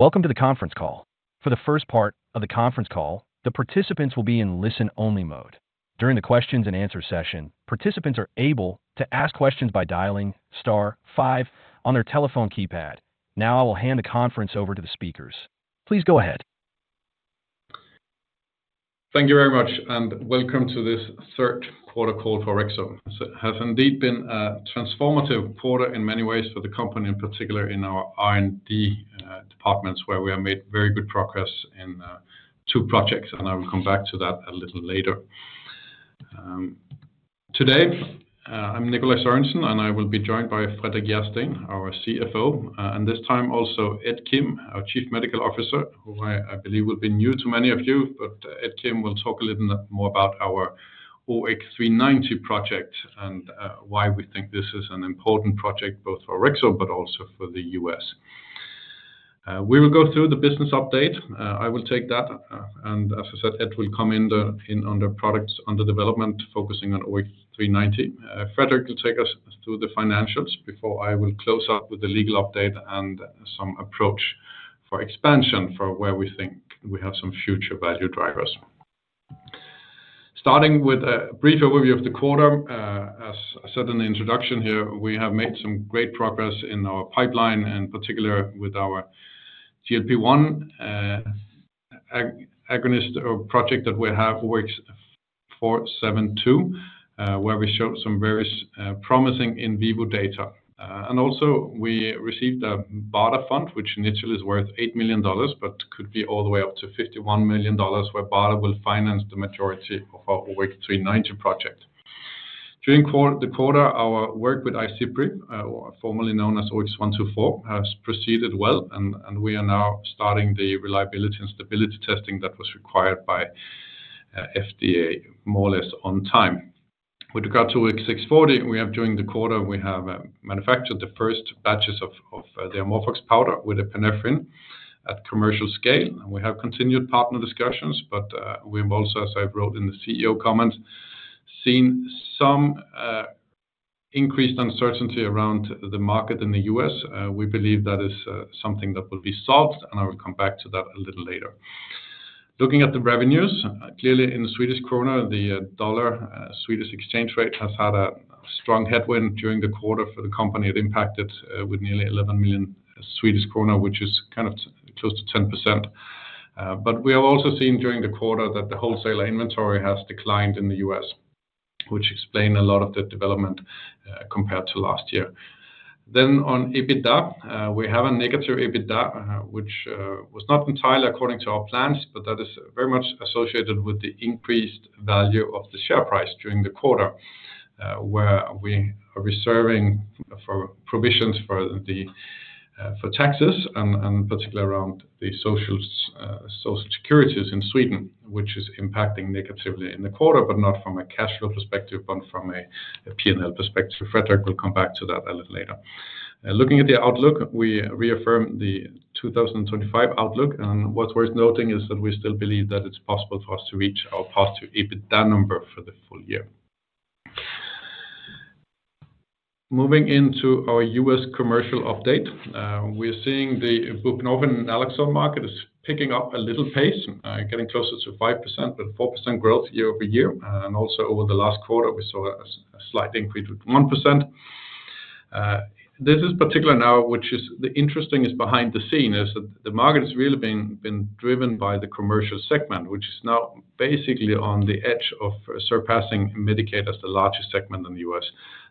Welcome to the conference call. For the first part of the conference call, the participants will be in listen-only mode. During the questions-and-answers session, participants are able to ask questions by dialing star five on their telephone keypad. Now, I will hand the conference over to the speakers. Please go ahead. Thank you very much. Welcome to this third quarter call for Orexo. It has indeed been a transformative quarter in many ways for the company, in particular in our R&D departments, where we have made very good progress in two projects. I will come back to that a little later. Today, I'm Nikolaj Sørensen, and I will be joined by Fredrik Järrsten, our CFO. This time, also Ed Kim, our Chief Medical Officer, who I believe will be new to many of you. Ed Kim will talk a little more about our OX390 project and why we think this is an important project both for Orexo but also for the U.S. We will go through the business update. I will take that. As I said, Ed will come in on the product under development, focusing on OX390. Fredrik will take us through the financials before I will close out with the legal update and some approach for expansion for where we think we have some future value drivers. Starting with a brief overview of the quarter, as I said in the introduction here, we have made some great progress in our pipeline, in particular with our GLP-1 agonist project that we have, OX472, where we showed some very promising in vivo data. We also received a BARDA fund, which initially is worth $8 million, but could be all the way up to $51 million, where BARDA will finance the majority of our OX390 project. During the quarter, our work with iCIPRI, formerly known as OX124, has proceeded well. We are now starting the reliability and stability testing that was required by FDA more or less on time. With regard to OX640, during the quarter, we have manufactured the first batches of the amorphous powder with epinephrine at commercial scale. We have continued partner discussions. We have also, as I wrote in the CEO comment, seen some increased uncertainty around the market in the U.S. We believe that is something that will be solved. I will come back to that a little later. Looking at the revenues, clearly in the Swedish krona, the dollar Swedish exchange rate has had a strong headwind during the quarter for the company. It impacted with nearly 11 million Swedish krona, which is kind of close to 10%. We have also seen during the quarter that the wholesale inventory has declined in the U.S., which explains a lot of the development compared to last year. On EBITDA, we have a negative EBITDA, which was not entirely according to our plans, but that is very much associated with the increased value of the share price during the quarter, where we are reserving for provisions for the taxes, and particularly around the social securities in Sweden, which is impacting negatively in the quarter, but not from a cash flow perspective, but from a P&L perspective. Fredrik Järrsten will come back to that a little later. Looking at the outlook, we reaffirmed the 2025 outlook. What's worth noting is that we still believe that it's possible for us to reach our positive EBITDA number for the full year. Moving into our U.S. commercial update, we are seeing the buprenorphine and naloxone market is picking up a little pace, getting closer to 5%, but 4% growth year-over-year. Over the last quarter, we saw a slight increase of 1%. This is particular now, which is the interesting behind the scenes, as the market has really been driven by the commercial segment, which is now basically on the edge of surpassing Medicaid as the largest segment in the U.S.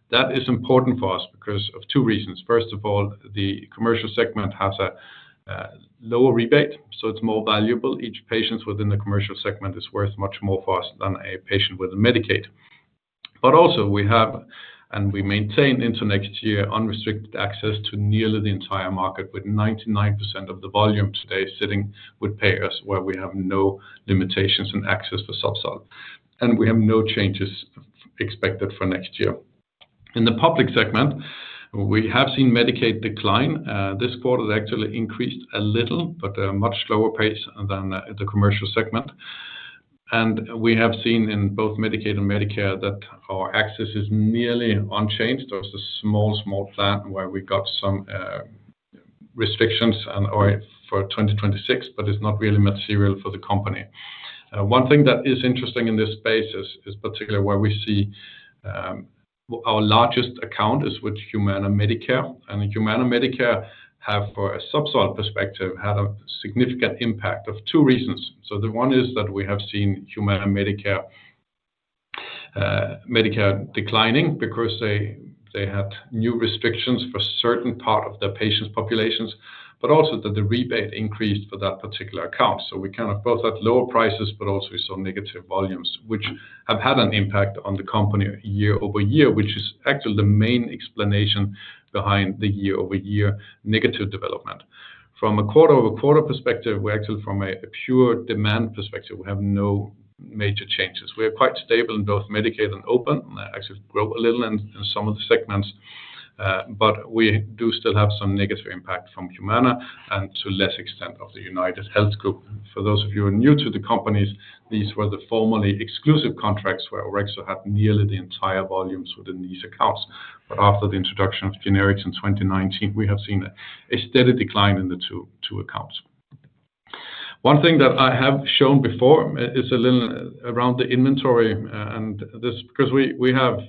That is important for us because of two reasons. First of all, the commercial segment has a lower rebate, so it's more valuable. Each patient within the commercial segment is worth much more for us than a patient with Medicaid. We have, and we maintain into next year, unrestricted access to nearly the entire market, with 99% of the volume today sitting with payers, where we have no limitations in access for subsidy. We have no changes expected for next year. In the public segment, we have seen Medicaid decline. This quarter actually increased a little, but at a much slower pace than the commercial segment. We have seen in both Medicaid and Medicare that our access is nearly unchanged. There's a small, small plan where we got some restrictions for 2026, but it's not really material for the company. One thing that is interesting in this space is particularly where we see our largest account is with Humana Medicare. Humana Medicare has, from a subsidy perspective, had a significant impact for two reasons. The one is that we have seen Humana Medicare declining because they had new restrictions for a certain part of their patients' populations, but also that the rebate increased for that particular account. We kind of both had lower prices, but also we saw negative volumes, which have had an impact on the company year-over-year, which is actually the main explanation behind the year-over-year negative development. From a quarter-over-quarter perspective, actually from a pure demand perspective, we have no major changes. We are quite stable in both Medicaid and OPEN. They actually grow a little in some of the segments. We do still have some negative impact from Humana and to a less extent from UnitedHealth Group. For those of you who are new to the companies, these were the formerly exclusive contracts where Orexo had nearly the entire volumes within these accounts. After the introduction of generics in 2019, we have seen a steady decline in the two accounts. One thing that I have shown before is a little around the inventory. This is because we have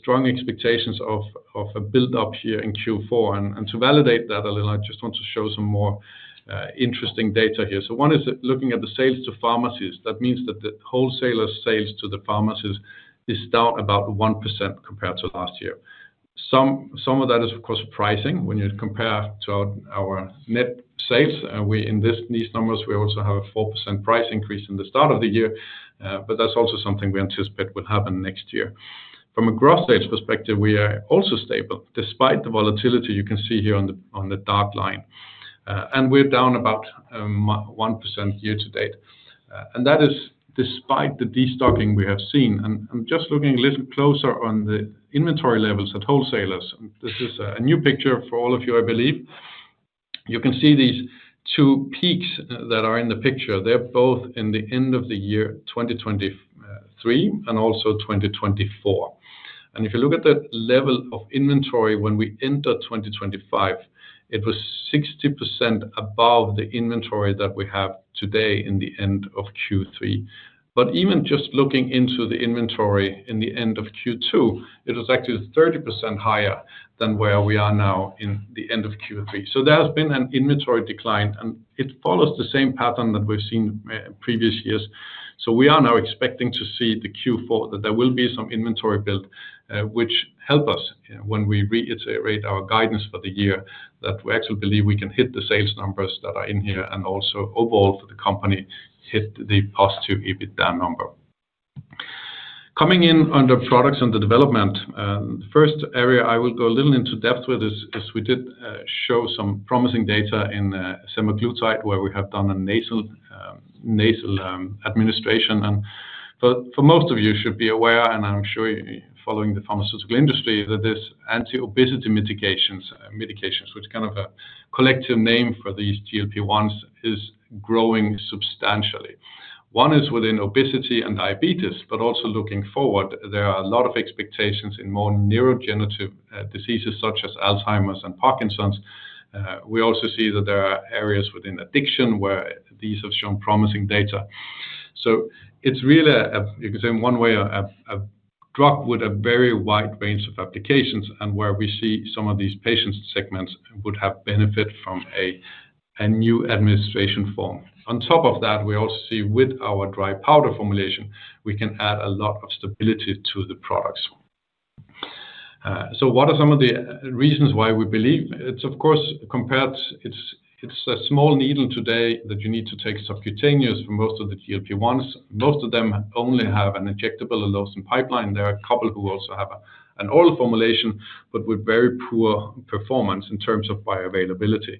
strong expectations of a build-up here in Q4. To validate that a little, I just want to show some more interesting data here. One is looking at the sales to pharmacies. That means that the wholesalers' sales to the pharmacies is down about 1% compared to last year. Some of that is, of course, pricing when you compare to our net sales. In these numbers, we also have a 4% price increase in the start of the year. That's also something we anticipate will happen next year. From a gross sales perspective, we are also stable despite the volatility you can see here on the dark line. We're down about 1% year to date. That is despite the destocking we have seen. Just looking a little closer on the inventory levels at wholesalers, this is a new picture for all of you, I believe. You can see these two peaks that are in the picture. They're both in the end of the year 2023 and also 2024. If you look at the level of inventory when we entered 2025, it was 60% above the inventory that we have today in the end of Q3. Even just looking into the inventory in the end of Q2, it was actually 30% higher than where we are now in the end of Q3. There has been an inventory decline. It follows the same pattern that we've seen in previous years. We are now expecting to see in Q4 that there will be some inventory build, which helps us when we reiterate our guidance for the year that we actually believe we can hit the sales numbers that are in here and also overall for the company hit the positive EBITDA number. Coming in under products under development, the first area I will go a little into depth with is we did show some promising data in semaglutide where we have done a nasal administration. For most of you, you should be aware, and I'm sure you're following the pharmaceutical industry, that these anti-obesity medications, which is kind of a collective name for these GLP-1s, is growing substantially. One is within obesity and diabetes. Also looking forward, there are a lot of expectations in more neurodegenerative diseases such as Alzheimer's and Parkinson's. We also see that there are areas within addiction where these have shown promising data. It is really, you can say in one way, a drug with a very wide range of applications and where we see some of these patient segments would have benefit from a new administration form. On top of that, we also see with our dry powder formulation, we can add a lot of stability to the products. What are some of the reasons why we believe? It's, of course, compared—it's a small needle today that you need to take subcutaneous for most of the GLP-1s. Most of them only have an injectable or lotion pipeline. There are a couple who also have an oral formulation but with very poor performance in terms of bioavailability.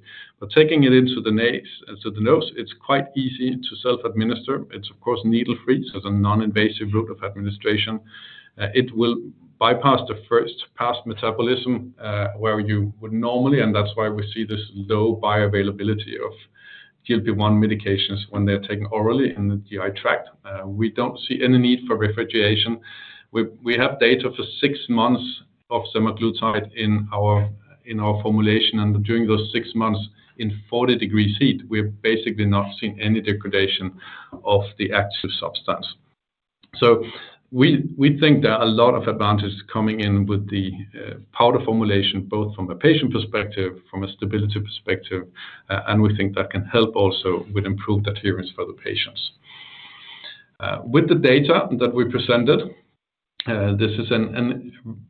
Taking it into the nose, it's quite easy to self-administer. It's, of course, needle-free, so it's a non-invasive route of administration. It will bypass the first pass metabolism where you would normally, and that's why we see this low bioavailability of GLP-1 medications when they're taken orally in the GI tract. We don't see any need for refrigeration. We have data for six months of semaglutide in our formulation. During those six months in 40 degrees heat, we have basically not seen any degradation of the active substance. We think there are a lot of advantages coming in with the powder formulation, both from a patient perspective and from a stability perspective. We think that can help also with improved adherence for the patients. With the data that we presented, this is a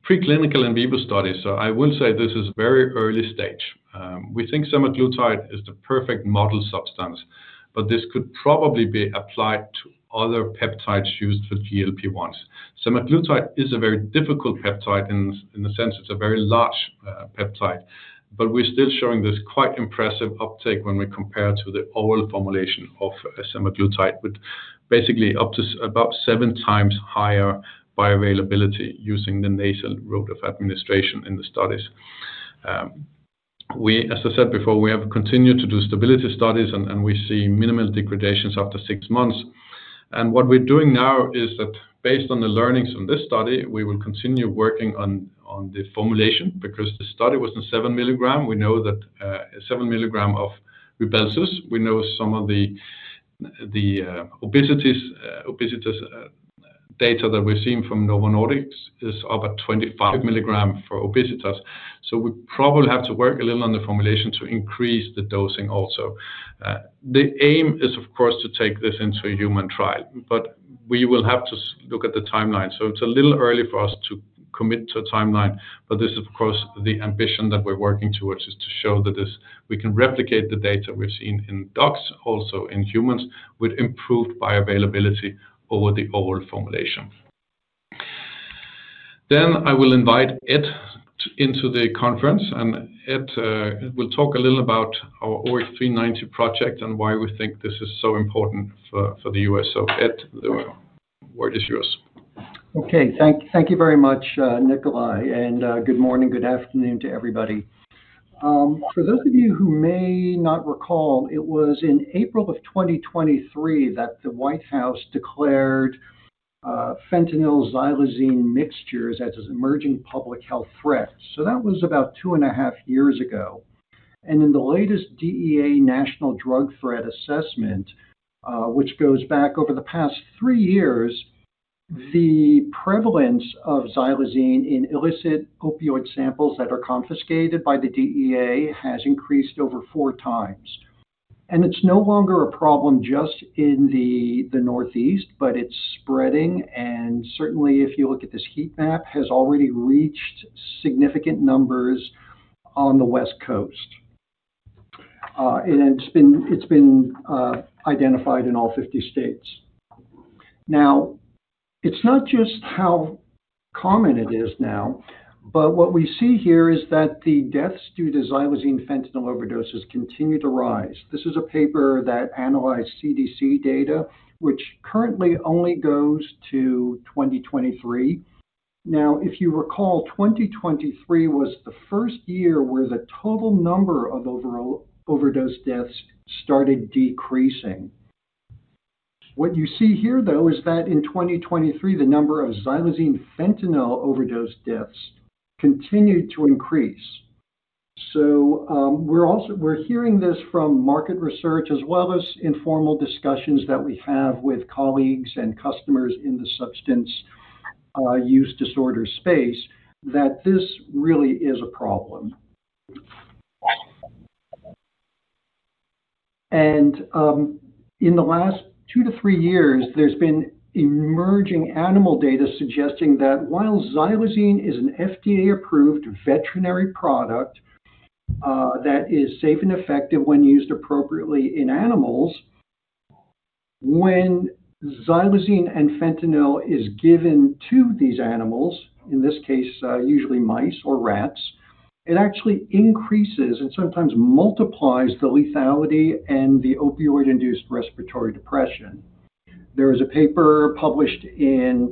preclinical in vivo study. I will say this is a very early stage. We think semaglutide is the perfect model substance. This could probably be applied to other peptides used for GLP-1s. Semaglutide is a very difficult peptide in the sense it's a very large peptide. We are still showing this quite impressive uptake when we compare to the oral formulation of semaglutide, with basically up to about seven times higher bioavailability using the nasal route of administration in the studies. As I said before, we have continued to do stability studies, and we see minimal degradations after six months. What we are doing now is that based on the learnings from this study, we will continue working on the formulation because the study was in 7 mg. We know that 7 mg of Rybelsus, we know some of the obesity data that we've seen from Novo Nordisk is about 25 mg for obesitas. We probably have to work a little on the formulation to increase the dosing also. The aim is, of course, to take this into a human trial. We will have to look at the timeline. It is a little early for us to commit to a timeline. This is, of course, the ambition that we're working towards, to show that we can replicate the data we've seen in dogs, also in humans, with improved bioavailability over the oral formulation. I will invite Ed into the conference, and Ed will talk a little about our OX390 project and why we think this is so important for the U.S. Ed, the word is yours. OK. Thank you very much, Nikolaj. Good morning, good afternoon to everybody. For those of you who may not recall, it was in April of 2023 that the White House declared fentanyl/xylazine mixtures as an emerging public health threat. That was about 2.5 years ago. In the latest DEA National Drug Threat Assessment, which goes back over the past three years, the prevalence of xylazine in illicit opioid samples that are confiscated by the DEA has increased over four times. It is no longer a problem just in the Northeast, but it is spreading. Certainly, if you look at this heat map, it has already reached significant numbers on the West Coast. It has been identified in all 50 states. It is not just how common it is now, but what we see here is that the deaths due to xylazine-fentanyl overdoses continue to rise. This is a paper that analyzed CDC data, which currently only goes to 2023. If you recall, 2023 was the first year where the total number of overdose deaths started decreasing. What you see here, though, is that in 2023, the number of xylazine-fentanyl overdose deaths continued to increase. We are hearing this from market research, as well as informal discussions that we have with colleagues and customers in the substance use disorder space, that this really is a problem. In the last two to three years, there has been emerging animal data suggesting that while xylazine is an FDA-approved veterinary product that is safe and effective when used appropriately in animals, when xylazine and fentanyl are given to these animals, in this case, usually mice or rats, it actually increases and sometimes multiplies the lethality and the opioid-induced respiratory depression. There is a paper published in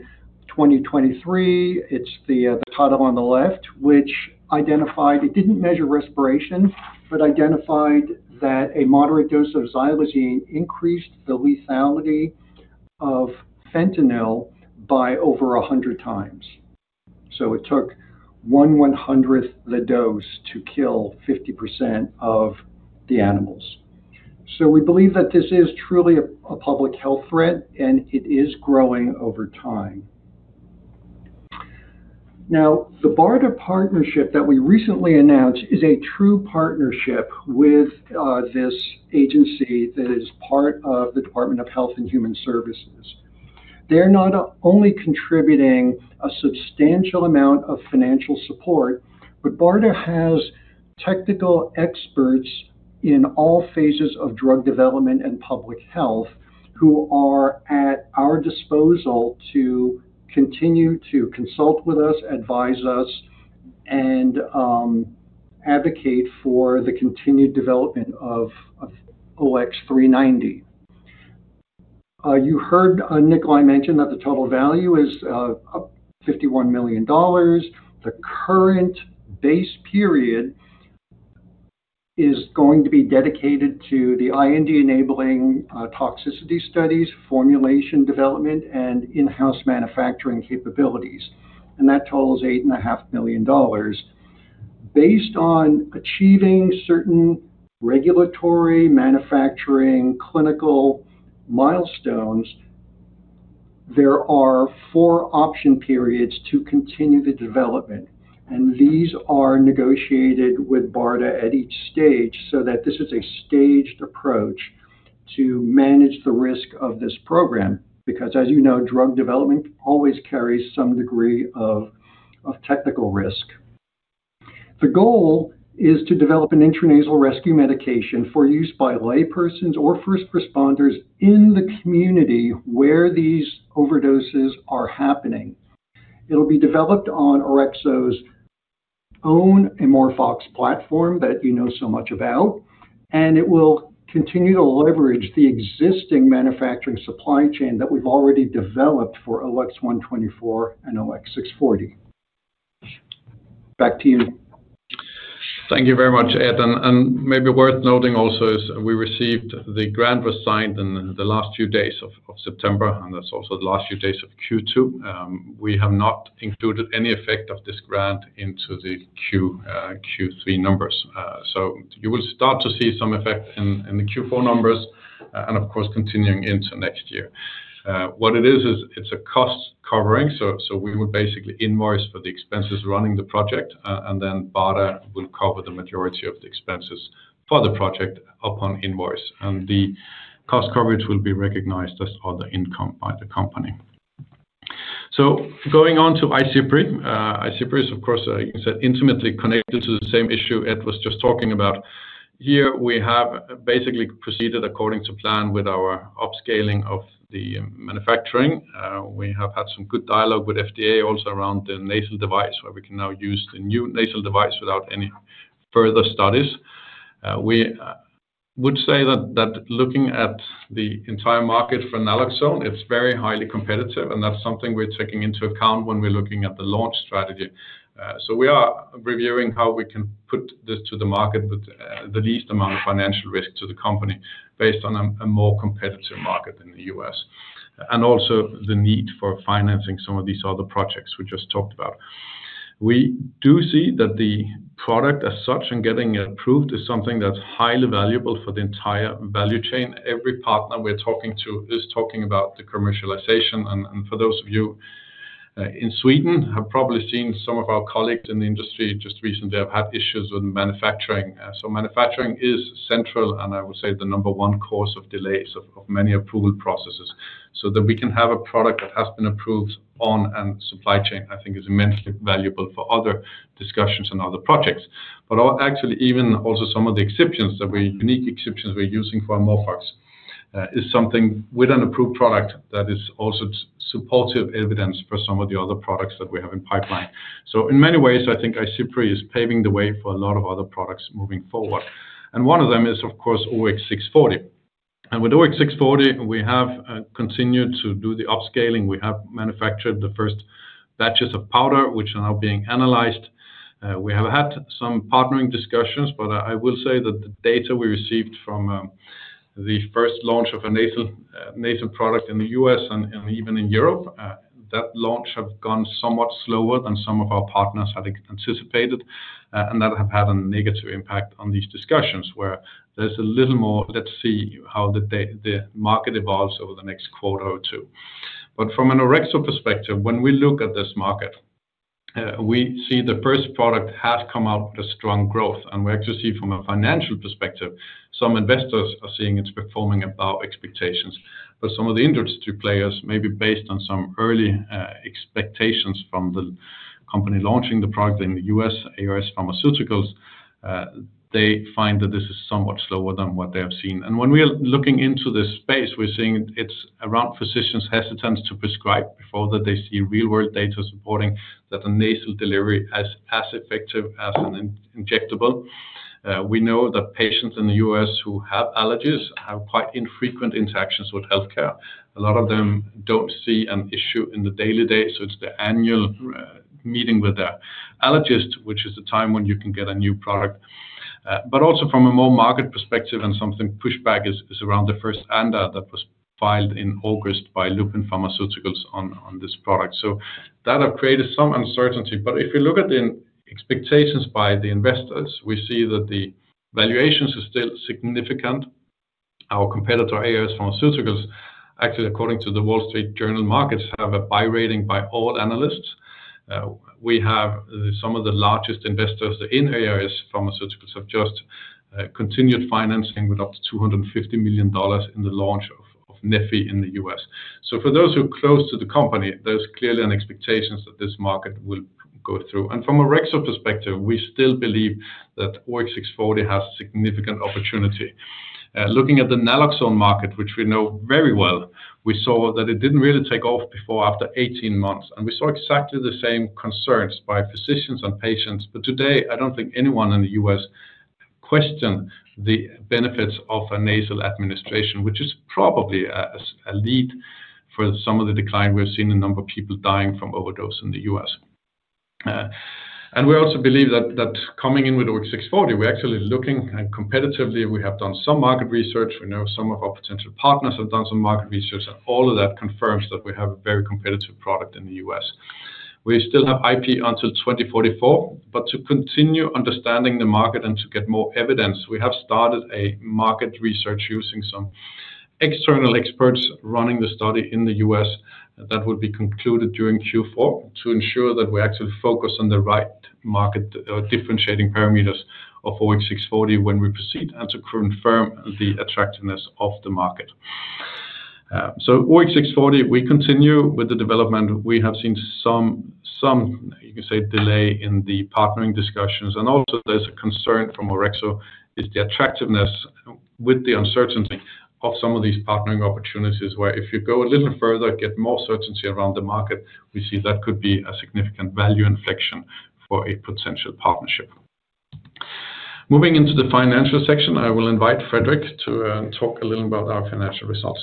2023. It is the title on the left, which identified it did not measure respiration, but identified that a moderate dose of xylazine increased the lethality of fentanyl by over 100 times. It took 0.01 the dose to kill 50% of the animals. We believe that this is truly a public health threat. It is growing over time. The BARDA partnership that we recently announced is a true partnership with this agency that is part of the Department of Health and Human Services. They're not only contributing a substantial amount of financial support, but BARDA has technical experts in all phases of drug development and public health who are at our disposal to continue to consult with us, advise us, and advocate for the continued development of OX390. You heard Nikolaj mention that the total value is $51 million. The current base period is going to be dedicated to the IND-enabling toxicity studies, formulation development, and in-house manufacturing capabilities. That $8.5 million. based on achieving certain regulatory, manufacturing, clinical milestones, there are four option periods to continue the development. These are negotiated with BARDA at each stage so that this is a staged approach to manage the risk of this program because, as you know, drug development always carries some degree of technical risk. The goal is to develop an intranasal rescue medication for use by laypersons or first responders in the community where these overdoses are happening. It'll be developed on Orexo's own amorphous platform that you know so much about. It will continue to leverage the existing manufacturing supply chain that we've already developed for OX124 and OX640. Back to you. Thank you very much, Ed. Maybe worth noting also is we received the grant was signed in the last few days of September. That's also the last few days of Q2. We have not included any effect of this grant into the Q3 numbers. You will start to see some effect in the Q4 numbers and, of course, continuing into next year. What it is, is it's a cost covering. We would basically invoice for the expenses running the project, and then BARDA will cover the majority of the expenses for the project upon invoice. The cost coverage will be recognized as other income by the company. Going on to iCIPRI. iCIPRI is, of course, as you said, intimately connected to the same issue Ed was just talking about. Here, we have basically proceeded according to plan with our upscaling of the manufacturing. We have had some good dialogue with FDA also around the nasal device, where we can now use the new nasal device without any further studies. Looking at the entire market for naloxone, it's very highly competitive. That's something we're taking into account when we're looking at the launch strategy. We are reviewing how we can put this to the market with the least amount of financial risk to the company based on a more competitive market in the U.S. and also the need for financing some of these other projects we just talked about. We do see that the product as such and getting it approved is something that's highly valuable for the entire value chain. Every partner we're talking to is talking about the commercialization. For those of you in Sweden, have probably seen some of our colleagues in the industry just recently have had issues with manufacturing. Manufacturing is central and, I would say, the number one cause of delays of many approval processes. That we can have a product that has been approved on a supply chain, I think, is immensely valuable for other discussions and other projects. Actually, even also some of the exceptions that we, unique exceptions we're using for amorphous, is something with an approved product that is also supportive evidence for some of the other products that we have in the pipeline. In many ways, I think iCIPRI is paving the way for a lot of other products moving forward. One of them is, of course, OX640. With OX640, we have continued to do the upscaling. We have manufactured the first batches of powder, which are now being analyzed. We have had some partnering discussions. I will say that the data we received from the first launch of a nasal product in the U.S. and even in Europe, that launch has gone somewhat slower than some of our partners had anticipated. That has had a negative impact on these discussions, where there's a little more, let's see how the market evolves over the next quarter or two. From an Orexo perspective, when we look at this market, we see the first product has come out with a strong growth. We actually see from a financial perspective, some investors are seeing it's performing above expectations. Some of the industry players, maybe based on some early expectations from the company launching the product in the U.S., ARS Pharmaceuticals, find that this is somewhat slower than what they have seen. When we are looking into this space, we're seeing it's around physicians' hesitance to prescribe before they see real-world data supporting that a nasal delivery is as effective as an injectable. We know that patients in the U.S. who have allergies have quite infrequent interactions with health care. A lot of them don't see an issue in the daily day. It's the annual meeting with the allergist, which is the time when you can get a new product. Also, from a more market perspective, some pushback is around the first ANDA that was filed in August by Lupin Pharmaceuticals on this product. That has created some uncertainty. If you look at the expectations by the investors, we see that the valuations are still significant. Our competitor, ARS Pharmaceuticals, actually, according to the Wall Street Journal Markets, have a buy rating by all analysts. Some of the largest investors in ARS Pharmaceuticals have just continued financing with up $250 million in the launch of Nefi in the U.S. For those who are close to the company, there's clearly an expectation that this market will go through. From an Orexo perspective, we still believe that OX640 has significant opportunity. Looking at the naloxone market, which we know very well, we saw that it didn't really take off before after 18 months. We saw exactly the same concerns by physicians and patients. Today, I don't think anyone in the U.S. questions the benefits of a nasal administration, which is probably a lead for some of the decline we've seen in the number of people dying from overdose in the U.S. We also believe that coming in with OX640, we're actually looking competitively. We have done some market research. We know some of our potential partners have done some market research, and all of that confirms that we have a very competitive product in the U.S. We still have IP until 2044. To continue understanding the market and to get more evidence, we have started a market research using some external experts running the study in the U.S. that will be concluded during Q4 to ensure that we actually focus on the right market differentiating parameters of OX640 when we proceed and to confirm the attractiveness of the market. OX640, we continue with the development. We have seen some, you can say, delay in the partnering discussions. There is a concern from Orexo about the attractiveness with the uncertainty of some of these partnering opportunities, where if you go a little further, get more certainty around the market, we see that could be a significant value inflection for a potential partnership. Moving into the financial section, I will invite Fredrik Järrsten to talk a little about our financial results.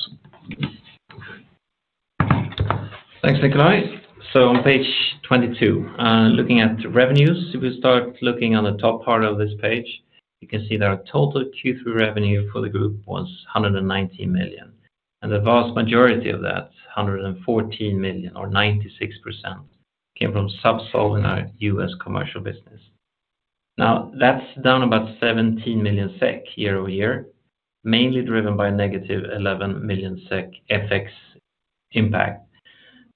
Thanks, Nikolaj. On page 22, looking at revenues, if we start looking on the top part of this page, you can see that our total Q3 revenue for the group was 119 million. The vast majority of that, 114 million or 96%, came from Zubsolv in our U.S. commercial business. That's down about 17 million SEK year-over-year, mainly driven by a negative 11 million SEK FX impact.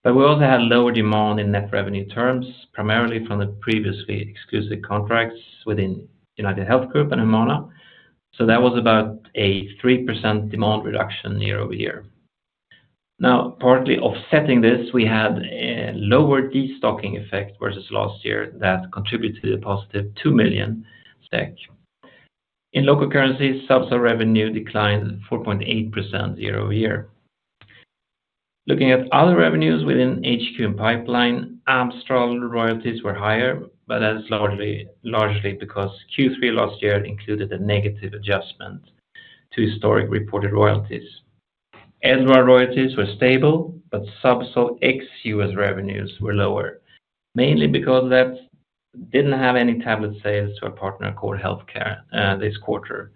We also had lower demand in net revenue terms, primarily from the previously exclusive contracts within UnitedHealth Group and Humana. That was about a 3% demand reduction year-over-year. Partly offsetting this, we had a lower destocking effect versus last year that contributed a positive 2 million SEK. In local currencies, Zubsolv revenue declined 4.8% year-over-year. Looking at other revenues within HQ and pipeline, AmorphOX royalties were higher, but that is largely because Q3 last year included a negative adjustment to historic reported royalties. Edgeware royalties were stable, but Zubsolv ex-U.S. revenues were lower, mainly because there were no tablet sales to our partner, Accord Healthcare, this quarter.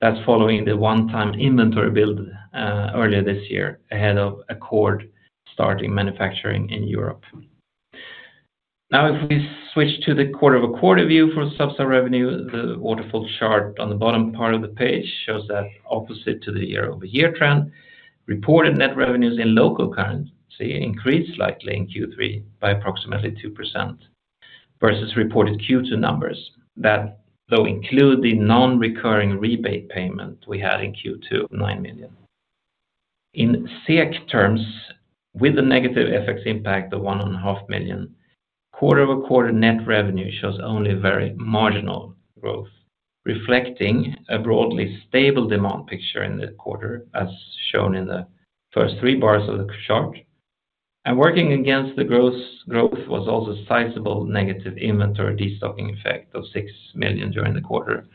That follows the one-time inventory build earlier this year ahead of Accord starting manufacturing in Europe. If we switch to the quarter-over-quarter view for Zubsolv revenue, the waterfall chart on the bottom part of the page shows that, opposite to the year-over-year trend, reported net revenues in local currency increased slightly in Q3 by approximately 2% versus reported Q2 numbers. Those include the non-recurring rebate payment we had in Q2, 9 million. In SEK terms, with a negative FX impact of 1.5 million, quarter-over-quarter net revenue shows only very marginal growth, reflecting a broadly stable demand picture in the quarter, as shown in the first three bars of the chart. Working against the growth was also a sizable negative inventory destocking effect of 6 million during the quarter,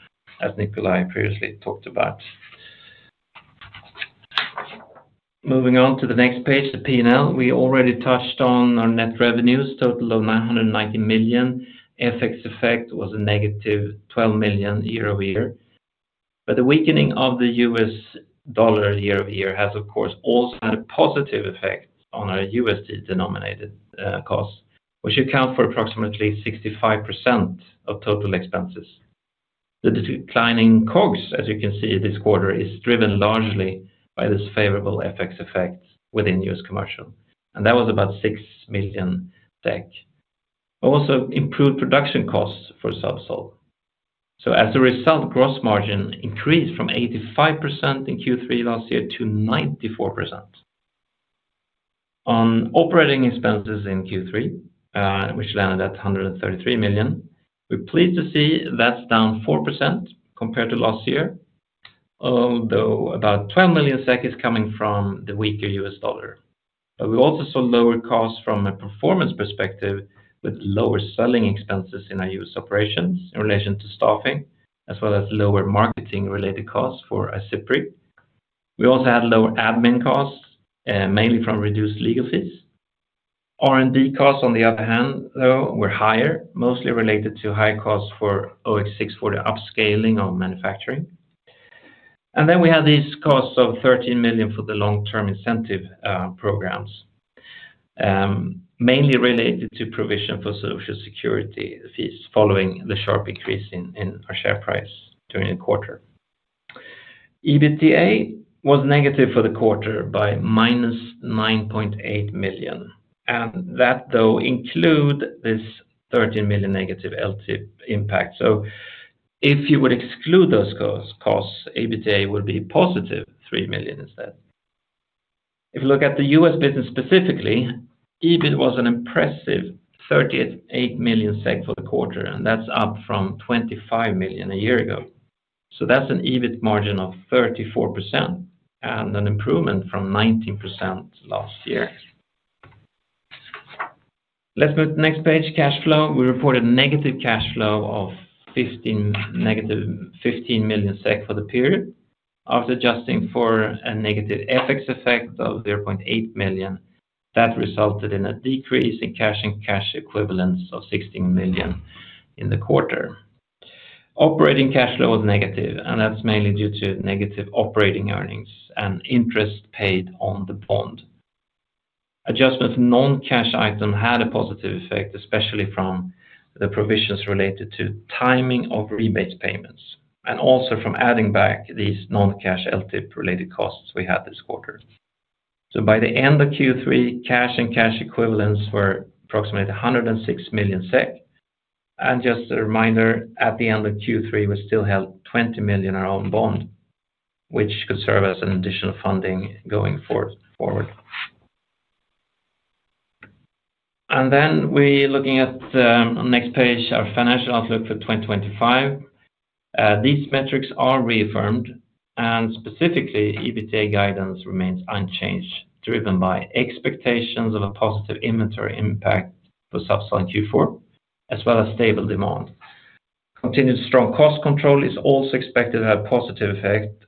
as Nikolaj previously talked about. Moving on to the next page, the P&L, we already touched on our net revenues, total of 990 million. FX effect was -12 million year-over-year. The weakening of the U.S. dollar year-over-year has, of course, also had a positive effect on our USD denominated costs, which account for approximately 65% of total expenses. The declining COGS, as you can see this quarter, is driven largely by this favorable FX effect within U.S. commercial. That was about 6 million. Also, improved production costs for Zubsolv. As a result, gross margin increased from 85% in Q3 last year to 94%. On operating expenses in Q3, which landed at 133 million, we're pleased to see that's down 4% compared to last year, although about 12 million SEK is coming from the weaker U.S. dollar. We also saw lower costs from a performance perspective with lower selling expenses in our U.S. operations in relation to staffing, as well as lower marketing-related costs for iCIPRI. We also had lower admin costs, mainly from reduced legal fees. R&D costs, on the other hand, were higher, mostly related to high costs for OX640 upscaling or manufacturing. We had these costs of 13 million for the long-term incentive programs, mainly related to provision for Social Security fees following the sharp increase in our share price during the quarter. EBITDA was negative for the quarter by -9.8 million. That includes this 13 million negative LT impact. If you would exclude those costs, EBITDA would be +3 million instead. If you look at the U.S. business specifically, EBIT was an impressive 38 million SEK for the quarter, up from 25 million a year ago. That's an EBIT margin of 34% and an improvement from 19% last year. Let's move to the next page, cash flow. We reported a negative cash flow of 15 million SEK for the period. After adjusting for a negative FX effect of 0.8 million, that resulted in a decrease in cash equivalents of 16 million in the quarter. Operating cash flow was negative, mainly due to negative operating earnings and interest paid on the bond. Adjustment to non-cash items had a positive effect, especially from the provisions related to timing of rebate payments and also from adding back these non-cash LT-related costs we had this quarter. By the end of Q3, cash and cash equivalents were approximately 106 million SEK. Just a reminder, at the end of Q3, we still held 20 million in our own bond, which could serve as an additional funding going forward. Looking at the next page, our financial outlook for 2025, these metrics are reaffirmed. Specifically, EBITDA guidance remains unchanged, driven by expectations of a positive inventory impact for Zubsolv in Q4, as well as stable demand. Continued strong cost control is also expected to have a positive effect.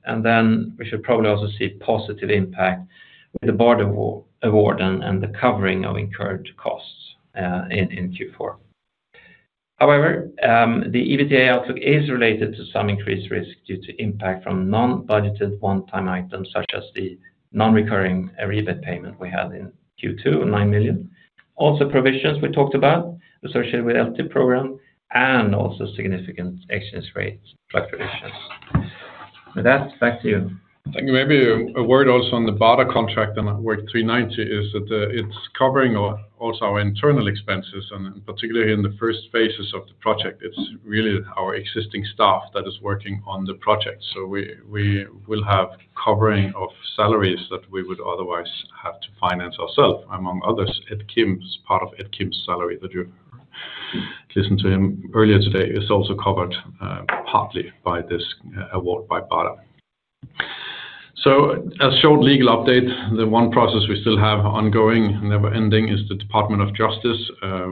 We should probably also see positive impact with the BARDA award and the covering of incurred costs in Q4. However, the EBITDA outlook is related to some increased risk due to impact from non-budgeted one-time items, such as the non-recurring rebate payment we had in Q2, 9 million. Also, provisions we talked about associated with the long-term incentive program and also significant exchange rates, fluctuations. With that, back to you. Thank you. Maybe a word also on the BARDA contract and OX390 is that it's covering also our internal expenses. Particularly in the first phases of the project, it's really our existing staff that is working on the project. We will have covering of salaries that we would otherwise have to finance ourselves. Among others, Ed Kim's part of Ed Kim's salary that you listened to him earlier today is also covered partly by this award by BARDA. A short legal update. The one process we still have ongoing, never ending, is the Department of Justice,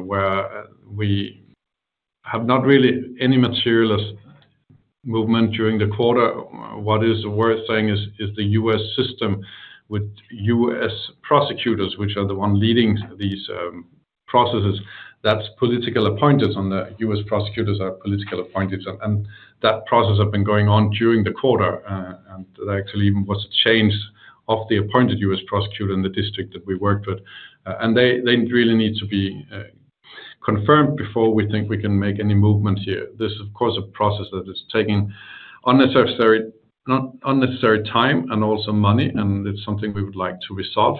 where we have not really any material movement during the quarter. What is worth saying is the U.S. system with U.S. prosecutors, which are the ones leading these processes, that's political appointees. The U.S. prosecutors are political appointees. That process has been going on during the quarter. There actually even was a change of the appointed U.S. prosecutor in the district that we worked with. They really need to be confirmed before we think we can make any movement here. This is, of course, a process that is taking unnecessary time and also money. It's something we would like to resolve.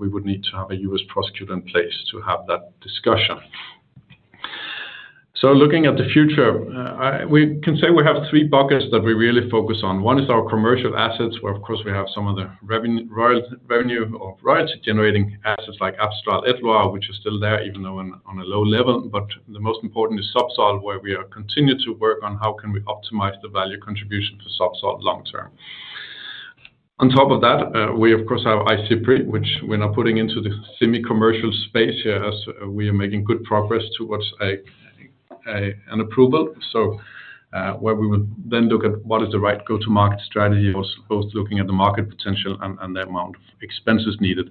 We would need to have a U.S. prosecutor in place to have that discussion. Looking at the future, we can say we have three buckets that we really focus on. One is our commercial assets, where, of course, we have some of the revenue or royalty-generating assets like Amstrad, Edgeware, which are still there, even though on a low level. The most important is Zubsolv, where we continue to work on how can we optimize the value contribution for Zubsolv long term. On top of that, we, of course, have iCIPRI, which we're now putting into the semi-commercial space here as we are making good progress towards an approval, where we would then look at what is the right go-to-market strategy, both looking at the market potential and the amount of expenses needed.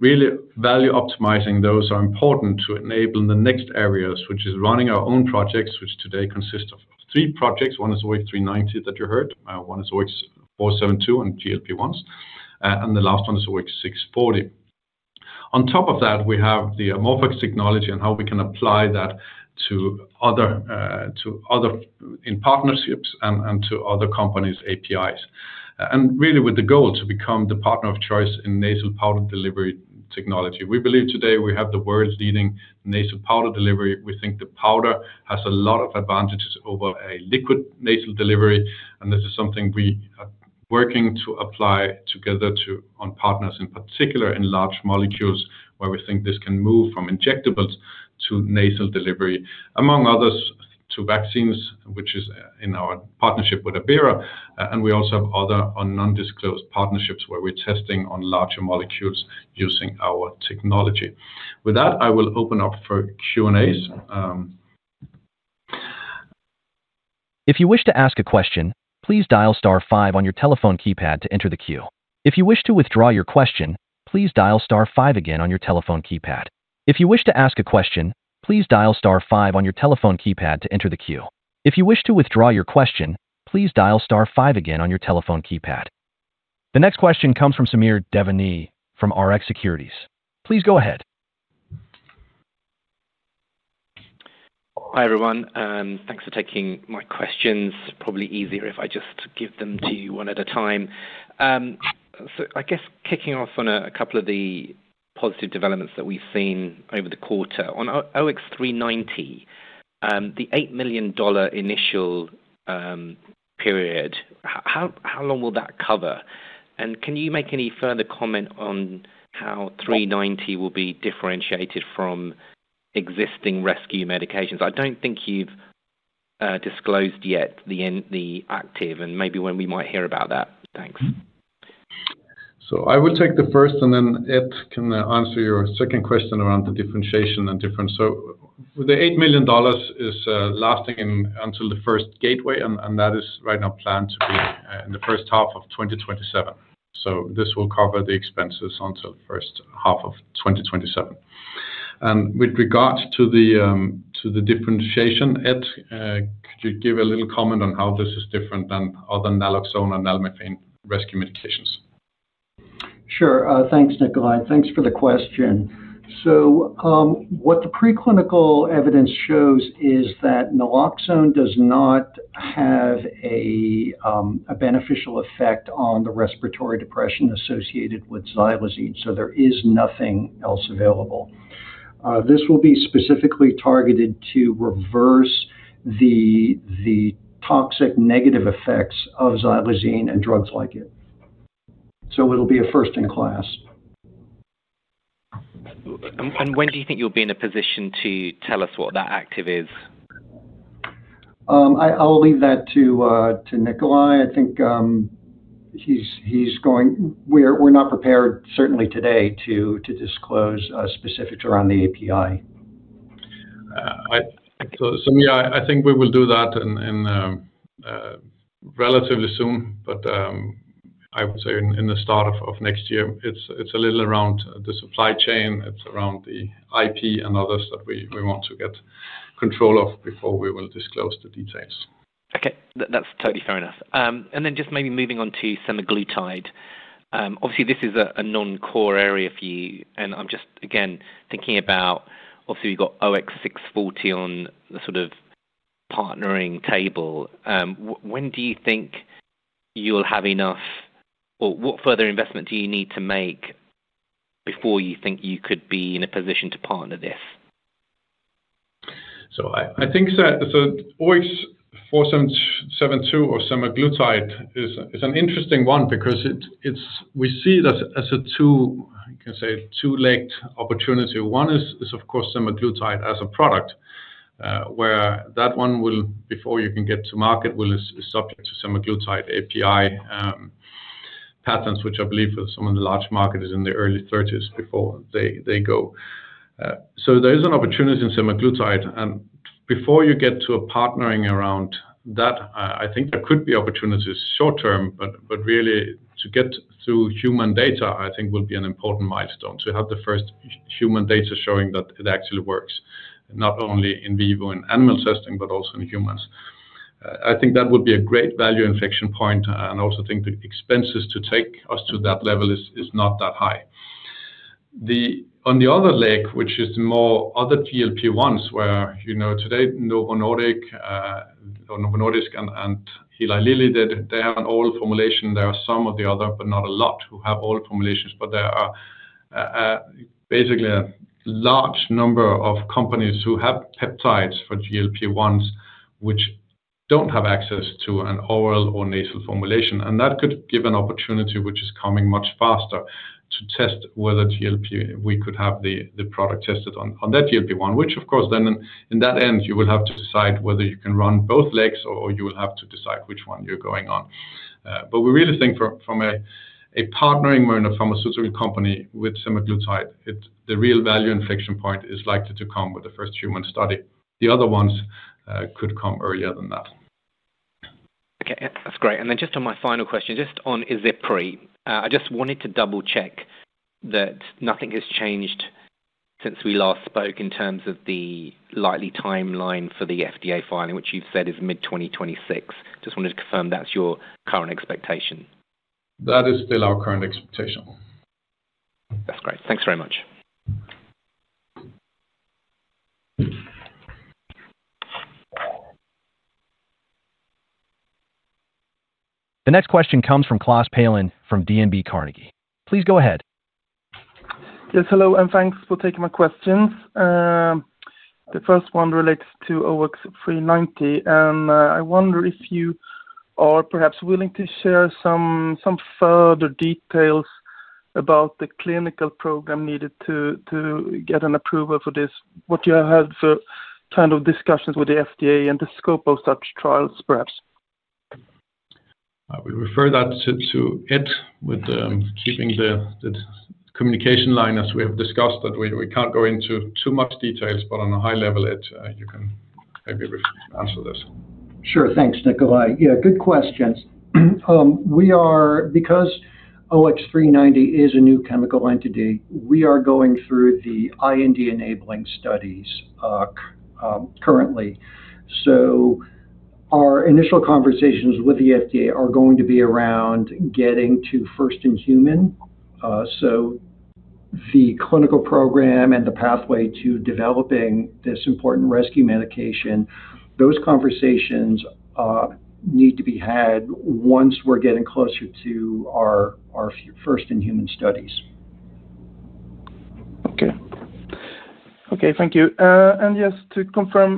Really, value optimizing, those are important to enable the next areas, which is running our own projects, which today consist of three projects. One is OX390, that you heard. One is OX472 and GLP-1s. The last one is OX640. On top of that, we have the amorphous technology and how we can apply that to other partnerships and to other companies' APIs, really with the goal to become the partner of choice in nasal powder delivery technology. We believe today we have the world's leading nasal powder delivery. We think the powder has a lot of advantages over a liquid nasal delivery. This is something we are working to apply together on partners, in particular in large molecules, where we think this can move from injectables to nasal delivery, among others, to vaccines, which is in our partnership with Abera Bioscience. We also have other non-disclosed partnerships where we're testing on larger molecules using our technology. With that, I will open up for Q&As. If you wish to ask a question, please dial star five on your telephone keypad to enter the queue. If you wish to withdraw your question, please dial star five again on your telephone keypad. If you wish to ask a question, please dial star five on your telephone keypad to enter the queue. If you wish to withdraw your question, please dial star five again on your telephone keypad. The next question comes from Samir Devani from Rx Securities. Please go ahead. Hi, everyone. Thanks for taking my questions. Probably easier if I just give them to you one at a time. I guess kicking off on a couple of the positive developments that we've seen over the quarter. On OX390, The $8 million initial period, how long will that cover? Can you make any further comment on how 390 will be differentiated from existing rescue medications? I don't think you've disclosed yet the active. Maybe when we might hear about that. Thanks. I will take the first. Ed can answer your second question around the differentiation and difference. The $8 million is lasting until the first gateway, and that is right now planned to be in the first half of 2027. This will cover the expenses until the first half of 2027. With regard to the differentiation, Ed, could you give a little comment on how this is different than other naloxone and nalmefene rescue medications? Sure. Thanks, Nikolaj. Thanks for the question. What the preclinical evidence shows is that naloxone does not have a beneficial effect on the respiratory depression associated with xylazine. There is nothing else available. This will be specifically targeted to reverse the toxic negative effects of xylazine and drugs like it. It'll be a first in class. When do you think you'll be in a position to tell us what that active is? I'll leave that to Nikolaj. I think he's going, we're not prepared, certainly today, to disclose specifics around the API. Samir, I think we will do that relatively soon. I would say in the start of next year, it's a little around the supply chain. It's around the IP and others that we want to get control of before we will disclose the details. OK. That's totally fair enough. Maybe moving on to semaglutide. Obviously, this is a non-core area for you. I'm just, again, thinking about obviously, we've got OX640 on the sort of partnering table. When do you think you'll have enough or what further investment do you need to make before you think you could be in a position to partner this? I think that OX472 or semaglutide is an interesting one because we see this as a two, you can say, two-legged opportunity. One is, of course, semaglutide as a product, where that one will, before you can get to market, is subject to semaglutide API patents, which I believe for some of the large markets is in the early 2030s before they go. There is an opportunity in semaglutide. Before you get to a partnering around that, I think there could be opportunities short term. Really, to get through human data, I think, will be an important milestone to have the first human data showing that it actually works, not only in vivo in animal testing but also in humans. I think that will be a great value inflection point. I also think the expenses to take us to that level is not that high. On the other leg, which is the more other GLP-1s, where today Novo Nordisk and Eli Lilly did, they have an oral formulation. There are some of the others, but not a lot, who have oral formulations. There are basically a large number of companies who have peptides for GLP-1s which don't have access to an oral or nasal formulation. That could give an opportunity, which is coming much faster, to test whether we could have the product tested on that GLP-1, which, of course, then in that end, you will have to decide whether you can run both legs or you will have to decide which one you're going on. We really think from a partnering pharmaceutical company with semaglutide, the real value inflection point is likely to come with the first human study. The other ones could come earlier than that. OK. That's great. Just on my final question, on iCIPRI, I just wanted to double-check that nothing has changed since we last spoke in terms of the likely timeline for the FDA filing, which you've said is mid-2026. I just wanted to confirm that's your current expectation. That is still our current expectation. That's great. Thanks very much. The next question comes from Klas Palin from DNB Carnegie. Please go ahead. Yes. Hello, and thanks for taking my questions. The first one relates to OX390. I wonder if you are perhaps willing to share some further details about the clinical program needed to get an approval for this, what you have had for kind of discussions with the FDA, and the scope of such trials, perhaps. I will refer that to Ed, keeping the communication line as we have discussed, that we can't go into too much detail. At a high level, Ed, you can maybe answer this. Sure. Thanks, Nikolaj. Good questions. Because OX390 is a new chemical entity, we are going through the IND-enabling studies currently. Our initial conversations with the FDA are going to be around getting to first in human. The clinical program and the pathway to developing this important rescue medication, those conversations need to be had once we're getting closer to our first in human studies. OK. Thank you. Yes, to confirm,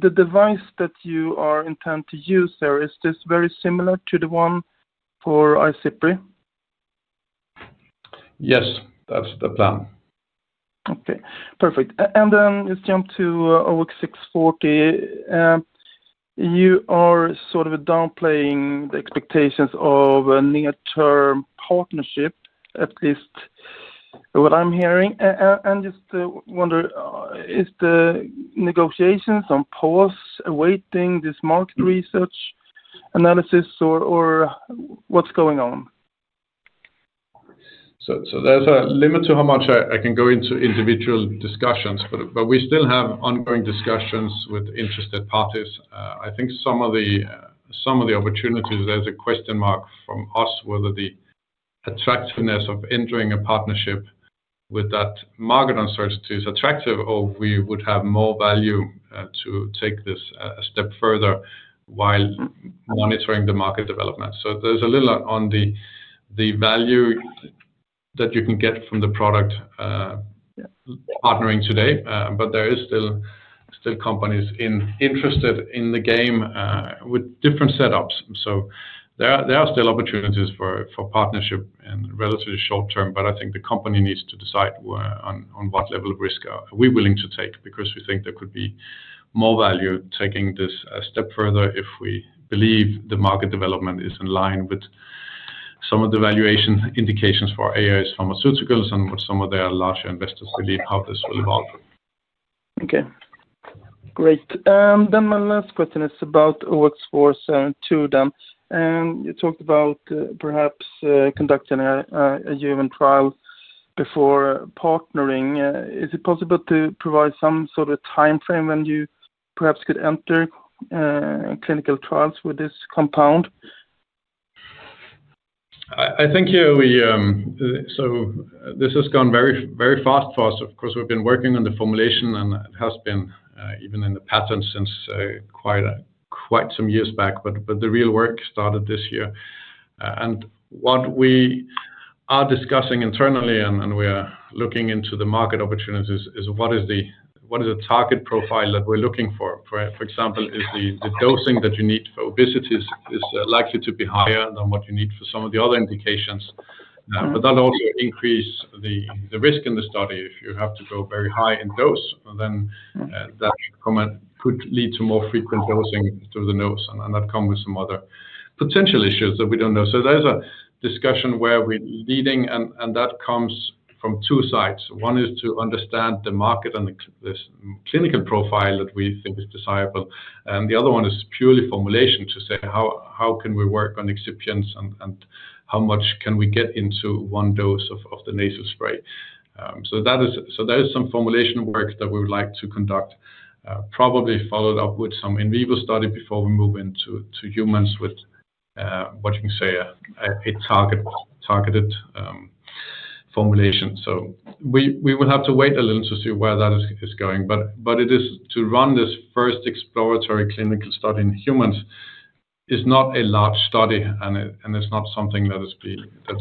the device that you intend to use there, is this very similar to the one for iCIPRI? Yes, that's the plan. OK. Perfect. Let's jump to OX640. You are sort of downplaying the expectations of a near-term partnership, at least what I'm hearing. I just wonder, are the negotiations on pause awaiting this market research analysis? What's going on? There is a limit to how much I can go into individual discussions. We still have ongoing discussions with interested parties. I think some of the opportunities, there is a question mark from us whether the attractiveness of entering a partnership with that market uncertainty is attractive or if we would have more value to take this a step further while monitoring the market development. There is a little on the value that you can get from the product partnering today. There are still companies interested in the game with different setups. There are still opportunities for partnership in relatively short term. I think the company needs to decide on what level of risk we're willing to take because we think there could be more value taking this a step further if we believe the market development is in line with some of the valuation indications for ARS Pharmaceuticals and what some of their larger investors believe, how this will evolve. OK. Great. Then my last question is about OX472. You talked about perhaps conducting a human trial before partnering. Is it possible to provide some sort of a time frame when you perhaps could enter clinical trials with this compound? I think here we, this has gone very fast for us. Of course, we've been working on the formulation, and it has been even in the patent since quite some years back. The real work started this year. What we are discussing internally and we are looking into the market opportunities is what is the target profile that we're looking for. For example, is the dosing that you need for obesity likely to be higher than what you need for some of the other indications? That also increases the risk in the study. If you have to go very high in dose, then that could lead to more frequent dosing through the nose, and that comes with some other potential issues that we don't know. There's a discussion where we're leading, and that comes from two sides. One is to understand the market and the clinical profile that we think is desirable. The other one is purely formulation to say how can we work on excipients and how much can we get into one dose of the nasal spray. There is some formulation work that we would like to conduct, probably followed up with some in vivo study before we move into humans with what you can say a targeted formulation. We will have to wait a little to see where that is going. To run this first exploratory clinical study in humans is not a large study, and it's not something that is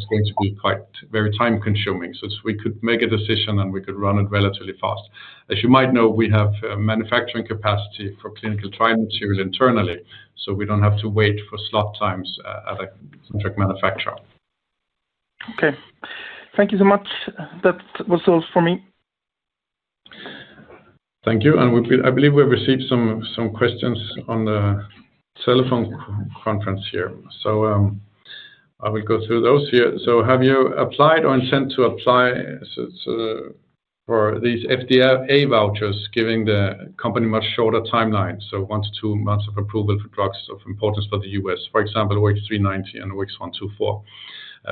going to be quite very time-consuming. We could make a decision, and we could run it relatively fast. As you might know, we have manufacturing capacity for clinical trial material internally, so we don't have to wait for slot times at a contract manufacturer. OK. Thank you so much. That was all for me. Thank you. I believe we received some questions on the telephone conference here. I will go through those here. Have you applied or intend to apply for these FDA vouchers, giving the company much shorter timeline, so one to two months of approval for drugs of importance for the U.S., for example, OX390 and OX124?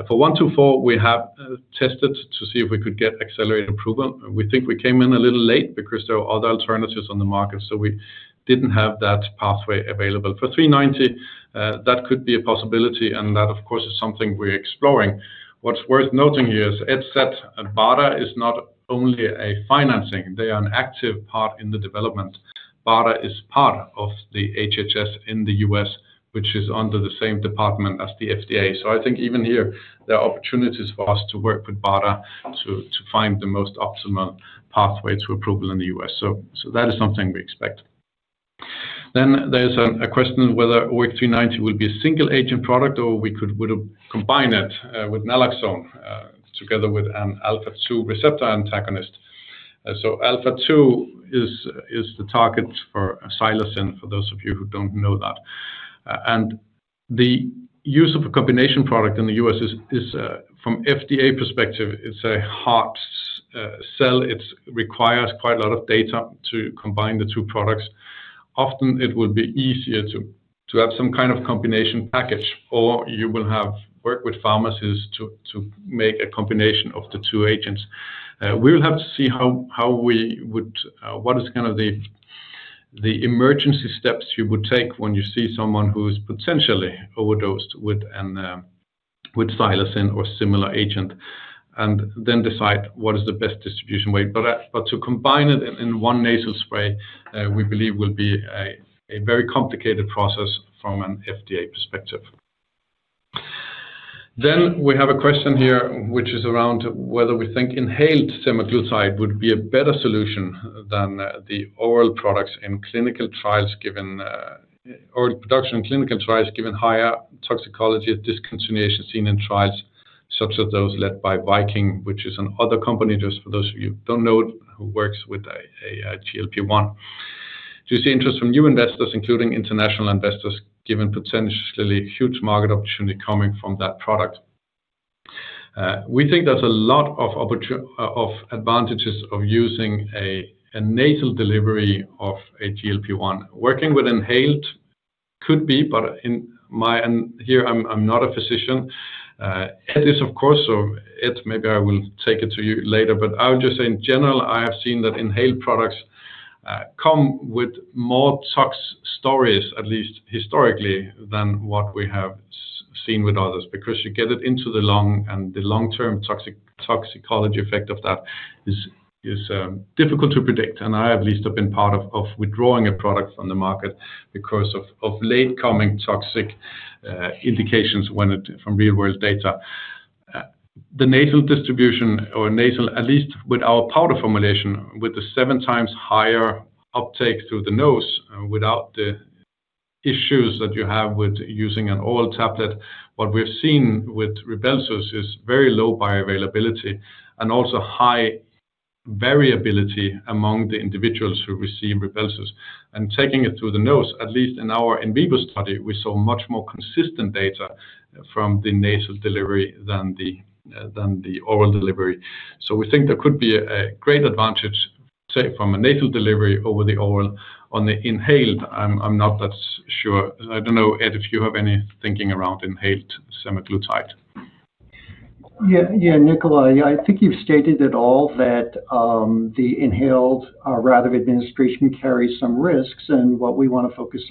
For OX124, we have tested to see if we could get accelerated approval. We think we came in a little late because there are other alternatives on the market. We did not have that pathway available. For 390, that could be a possibility. That, of course, is something we're exploring. What's worth noting here is Ed said BARDA is not only a financing. They are an active part in the development. BARDA is part of the HHS in the U.S., which is under the same department as the FDA. I think even here, there are opportunities for us to work with BARDA to find the most optimal pathway to approval in the U.S. That is something we expect. There is a question whether OX390 will be a single-agent product or we could combine it with naloxone together with an alpha-2 receptor antagonist. Alpha-2 is the target for xylazine, for those of you who don't know that. The use of a combination product in the U.S. is, from FDA perspective, a hard sell. It requires quite a lot of data to combine the two products. Often, it will be easier to have some kind of combination package, or you will have to work with pharmacies to make a combination of the two agents. We will have to see what is kind of the emergency steps you would take when you see someone who is potentially overdosed with xylazine or a similar agent and then decide what is the best distribution way. To combine it in one nasal spray, we believe will be a very complicated process from an FDA perspective. We have a question here, which is around whether we think inhaled semaglutide would be a better solution than the oral products in clinical trials, given oral production in clinical trials, given higher toxicology at discontinuation seen in trials such as those led by Viking, which is another company, just for those of you who don't know, who works with a GLP-1. Do you see interest from new investors, including international investors, given potentially huge market opportunity coming from that product? We think there's a lot of advantages of using a nasal delivery of a GLP-1. Working with inhaled could be. In my, and here, I'm not a physician. Ed is, of course. Ed, maybe I will take it to you later. I would just say, in general, I have seen that inhaled products come with more tox stories at least historically than what we have seen with others because you get it into the lung. The long-term toxicology effect of that is difficult to predict. I at least have been part of withdrawing a product from the market because of late coming toxic indications from real-world data. The nasal distribution, or nasal, at least with our powder formulation, with the seven times higher uptake through the nose without the issues that you have with using an oral tablet, what we've seen with Rybelsus is very low bioavailability and also high variability among the individuals who receive Rybelsus. Taking it through the nose, at least in our in vivo study, we saw much more consistent data from the nasal delivery than the oral delivery. We think there could be a great advantage, say, from a nasal delivery over the oral. On the inhaled, I'm not that sure. I don't know, Ed, if you have any thinking around inhaled semaglutide. Yeah, Nikolaj. I think you've stated it all, that the inhaled route of administration carries some risks. What we want to focus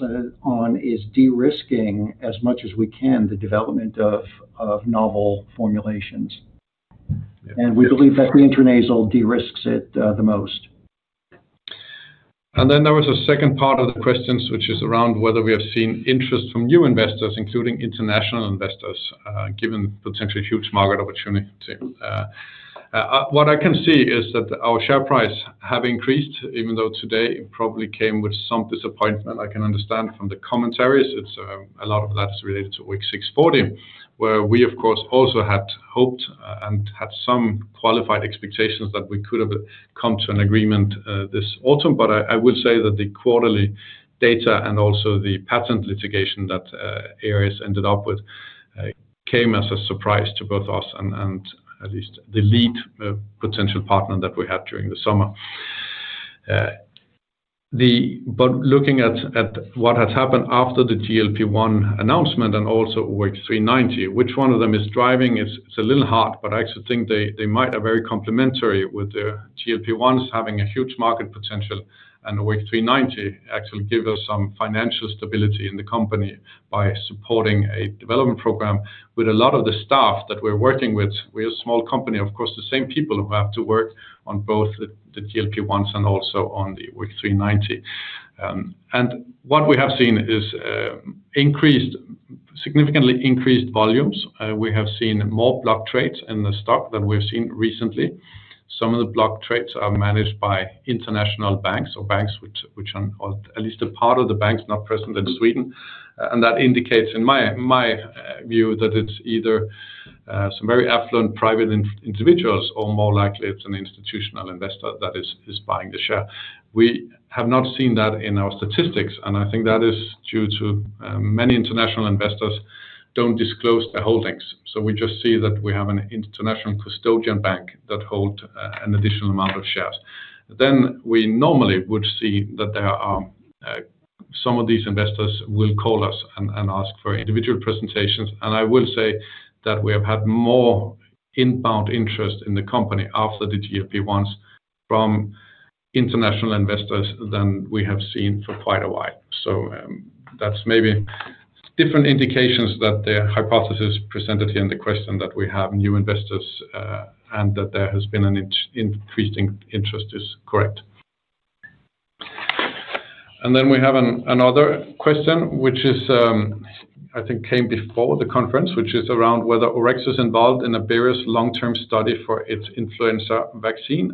on is de-risking as much as we can the development of novel formulations. We believe that the intranasal de-risks it the most. There was a second part of the questions, which is around whether we have seen interest from new investors, including international investors, given the potentially huge market opportunity. What I can see is that our share price has increased, even though today it probably came with some disappointment. I can understand from the commentaries. A lot of that is related to OX640, where we, of course, also had hoped and had some qualified expectations that we could have come to an agreement this autumn. I will say that the quarterly data and also the patent litigation that ARS ended up with came as a surprise to both us and at least the lead potential partner that we had during the summer. Looking at what has happened after the GLP-1 announcement and also OX390, which one of them is driving, it's a little hard. I actually think they might be very complementary with the GLP-1s having a huge market potential. OX390 actually gives us some financial stability in the company by supporting a development program with a lot of the staff that we're working with. We're a small company, of course, the same people who have to work on both the GLP-1s and also on the OX390. What we have seen is significantly increased volumes. We have seen more block trades in the stock than we've seen recently. Some of the block trades are managed by international banks or banks which are at least a part of the banks, not present in Sweden. That indicates, in my view, that it's either some very affluent private individuals or, more likely, it's an institutional investor that is buying the share. We have not seen that in our statistics. I think that is due to many international investors don't disclose their holdings. We just see that we have an international custodian bank that holds an additional amount of shares. We normally would see that some of these investors will call us and ask for individual presentations. I will say that we have had more inbound interest in the company after the GLP-1s from international investors than we have seen for quite a while. That's maybe different indications that the hypothesis presented here in the question that we have new investors and that there has been an increasing interest is correct. We have another question, which I think came before the conference, which is around whether Orexo is involved in Abera Bioscience's long-term study for its influenza vaccine.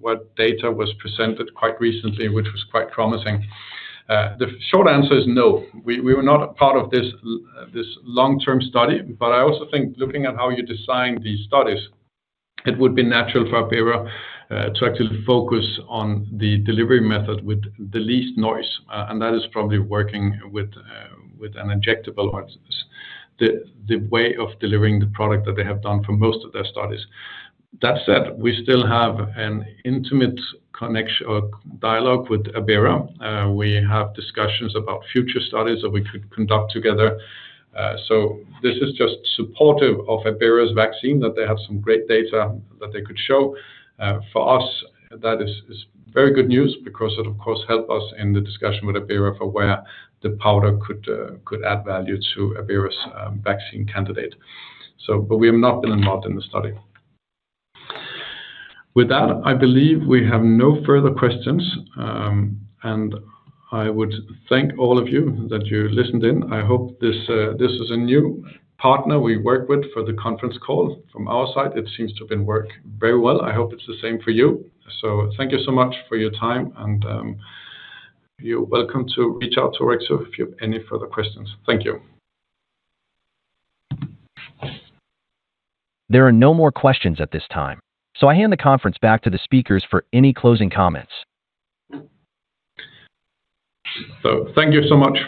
What data was presented quite recently, which was quite promising? The short answer is no. We were not a part of this long-term study. I also think looking at how you design these studies, it would be natural for Abera Bioscience to actually focus on the delivery method with the least noise. That is probably working with an injectable or the way of delivering the product that they have done for most of their studies. That said, we still have an intimate dialogue with Abera Bioscience. We have discussions about future studies that we could conduct together. This is just supportive of Abera Bioscience's vaccine that they have some great data that they could show. For us, that is very good news because it, of course, helps us in the discussion with Abera Bioscience for where the powder could add value to Abera Bioscience's vaccine candidate. We have not been involved in the study. With that, I believe we have no further questions. I would thank all of you that you listened in. I hope this is a new partner we work with for the conference call. From our side, it seems to have been working very well. I hope it's the same for you. Thank you so much for your time. You're welcome to reach out to Orexo AB if you have any further questions. Thank you. There are no more questions at this time. I hand the conference back to the speakers for any closing comments. Thank you so much.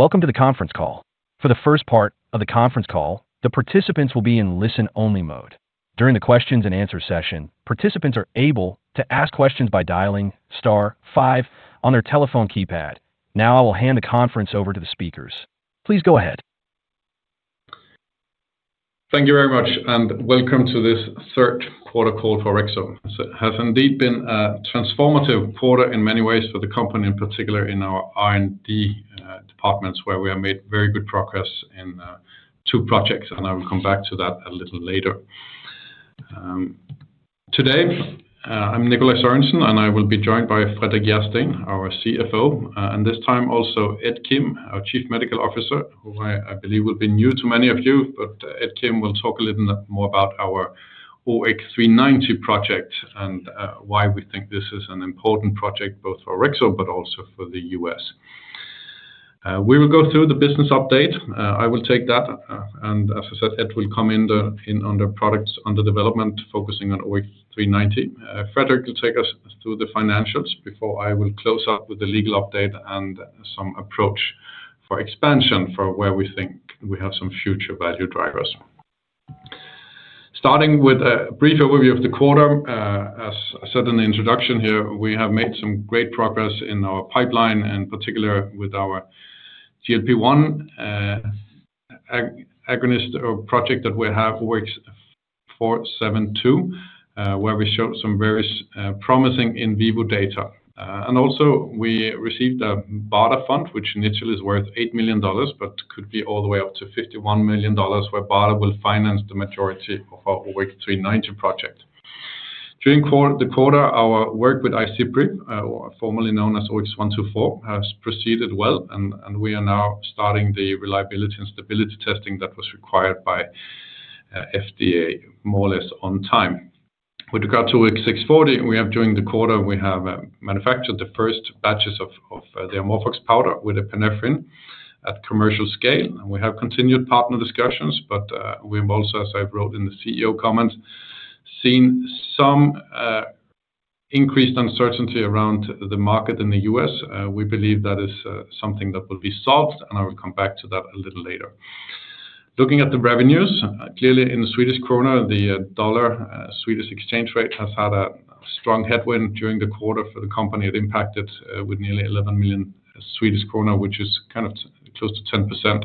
Welcome to the conference call. For the first part of the conference call, the participants will be in listen-only mode. During the questions-and-answers session, participants are able to ask questions by dialing star five on their telephone keypad. Now, I will hand the conference over to the speakers. Please go ahead. Thank you very much. Welcome to this third quarter call for Orexo. It has indeed been a transformative quarter in many ways for the company, in particular in our R&D departments, where we have made very good progress in two projects. I will come back to that a little later. Today, I'm Nikolaj Sørensen. I will be joined by Fredrik Järrsten, our CFO, and this time also Ed Kim, our Chief Medical Officer, who I believe will be new to many of you. Ed Kim will talk a little more about our OX390 project and why we think this is an important project both for Orexo and also for the U.S. We will go through the business update. I will take that, and as I said, Ed will come in on the products under development, focusing on OX390. Fredrik will take us through the financials before I will close out with the legal update and some approach for expansion for where we think we have some future value drivers. Starting with a brief overview of the quarter, as I said in the introduction here, we have made some great progress in our pipeline, in particular with our GLP-1 agonist project that we have, OX472, where we showed some very promising in vivo data. We also received a BARDA fund, which initially is worth $8 million, but could be all the way up to $51 million, where BARDA will finance the majority of our OX390 project. During the quarter, our work with iCIPRI, formerly known as OX124, has proceeded well. We are now starting the reliability and stability testing that was required by FDA more or less on time. With regard to OX640, during the quarter, we have manufactured the first batches of the amorphous epinephrine powder at commercial scale. We have continued partner discussions. We have also, as I wrote in the CEO comments, seen some increased uncertainty around the market in the U.S. We believe that is something that will be solved. I will come back to that a little later. Looking at the revenues, clearly in the Swedish krona, the dollar-Swedish exchange rate has had a strong headwind during the quarter for the company. It impacted with nearly 11 million Swedish kronor, which is kind of close to 10%.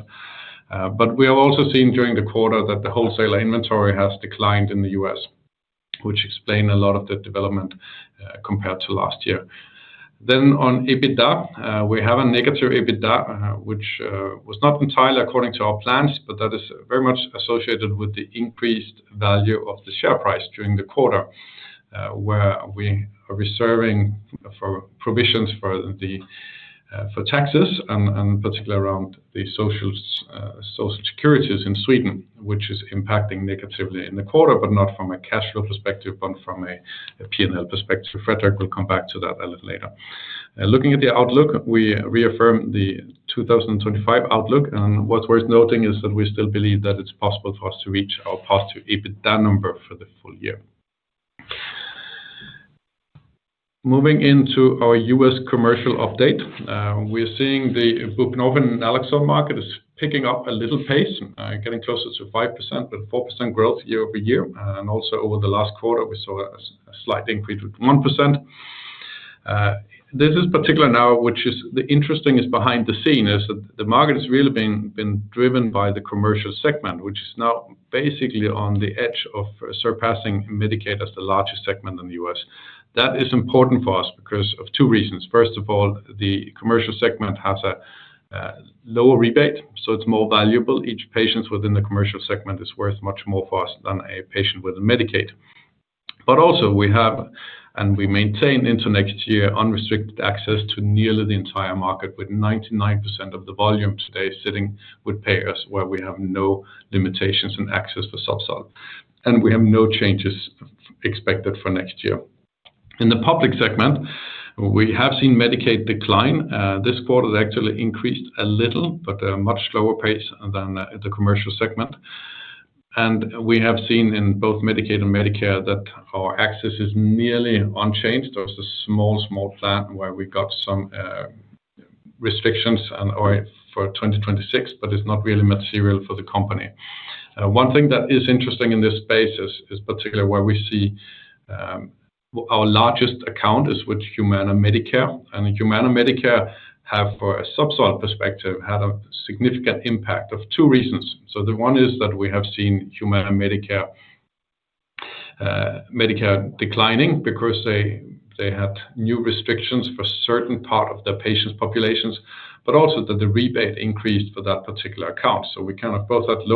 We have also seen during the quarter that the wholesaler inventory has declined in the U.S., which explained a lot of the development compared to last year. On EBITDA, we have a negative EBITDA, which was not entirely according to our plans. That is very much associated with the increased value of the share price during the quarter, where we are reserving for provisions for taxes and particularly around the social securities in Sweden, which is impacting negatively in the quarter, not from a cash flow perspective, but from a P&L perspective. Fredrik Järrsten will come back to that a little later. Looking at the outlook, we reaffirmed the 2025 outlook. What's worth noting is that we still believe that it's possible for us to reach our past two EBITDA numbers for the full year. Moving into our U.S. commercial update, we are seeing the BUPNOVEN naloxone market is picking up a little pace, getting closer to 5%, but 4% growth year-over-year. Over the last quarter, we saw a slight increase of 1%. This is particular now, which is the interesting behind the scene, the market has really been driven by the commercial segment, which is now basically on the edge of surpassing Medicaid as the largest segment in the U.S. That is important for us because of two reasons. First of all, the commercial segment has a lower rebate, so it's more valuable. Each patient within the commercial segment is worth much more for us than a patient within Medicaid. We have, and we maintain into next year, unrestricted access to nearly the entire market, with 99% of the volume today sitting with payers, where we have no limitations in access for Zubsolv. We have no changes expected for next year. In the public segment, we have seen Medicaid decline. This quarter has actually increased a little, but at a much slower pace than the commercial segment. We have seen in both Medicaid and Medicare that our access is nearly unchanged. There's a small, small plan where we got some restrictions for 2026, but it's not really material for the company. One thing that is interesting in this space is particularly where we see our largest account is with Humana Medicare. Humana Medicare has, for a Zubsolv perspective, had a significant impact for two reasons. One is that we have seen Humana Medicare declining because they had new restrictions for a certain part of their patients' populations, but also that the rebate increased for that particular account. We kind of had both. But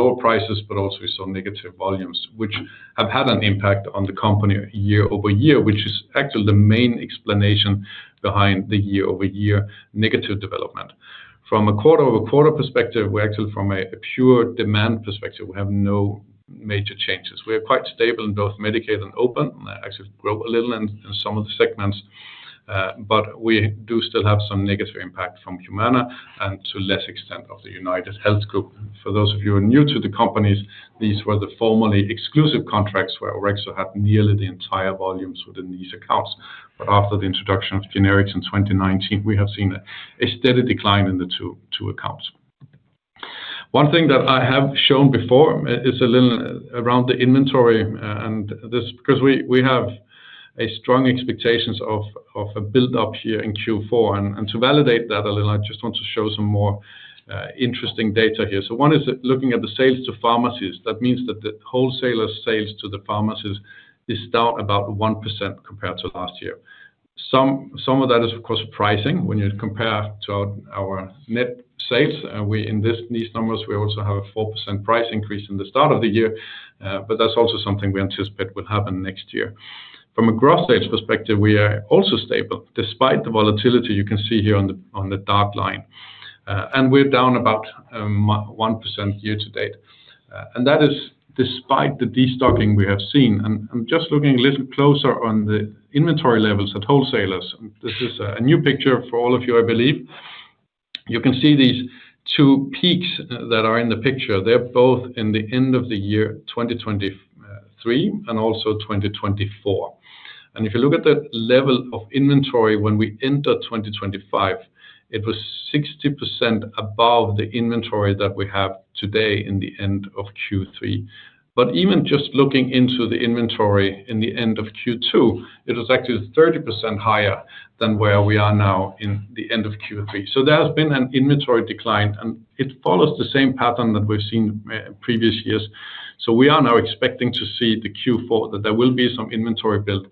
also we saw negative volumes, which have had an impact on the company year-over-year, which is actually the main explanation behind the year-over-year negative development. From a quarter-over-quarter perspective, we're actually, from a pure demand perspective, we have no major changes. We are quite stable in both Medicaid and Open, and they actually grow a little in some of the segments. We do still have some negative impact from Humana and to a lesser extent from UnitedHealth Group. For those of you who are new to the company, these were the formerly exclusive contracts where Orexo had nearly the entire volumes within these accounts. After the introduction of generics in 2019, we have seen a steady decline in the two accounts. One thing that I have shown before is a little around the inventory, and this is because we have strong expectations of a build-up here in Q4. To validate that a little, I just want to show some more interesting data here. One is looking at the sales to pharmacies. That means that the wholesalers' sales to the pharmacies is down about 1% compared to last year. Some of that is, of course, pricing. When you compare to our net sales, in these numbers, we also have a 4% price increase in the start of the year. That's also something we anticipate will happen next year. From a gross sales perspective, we are also stable despite the volatility you can see here on the dark line. We're down about 1% year to date, and that is despite the destocking we have seen. Just looking a little closer on the inventory levels at wholesalers, this is a new picture for all of you, I believe. You can see these two peaks that are in the picture. They're both in the end of the year 2023 and also 2024. If you look at the level of inventory when we entered 2025, it was 60% above the inventory that we have today in the end of Q3. Even just looking into the inventory in the end of Q2, it was actually 30% higher than where we are now in the end of Q3. There has been an inventory decline, and it follows the same pattern that we've seen in previous years. We are now expecting to see in Q4 that there will be some inventory build,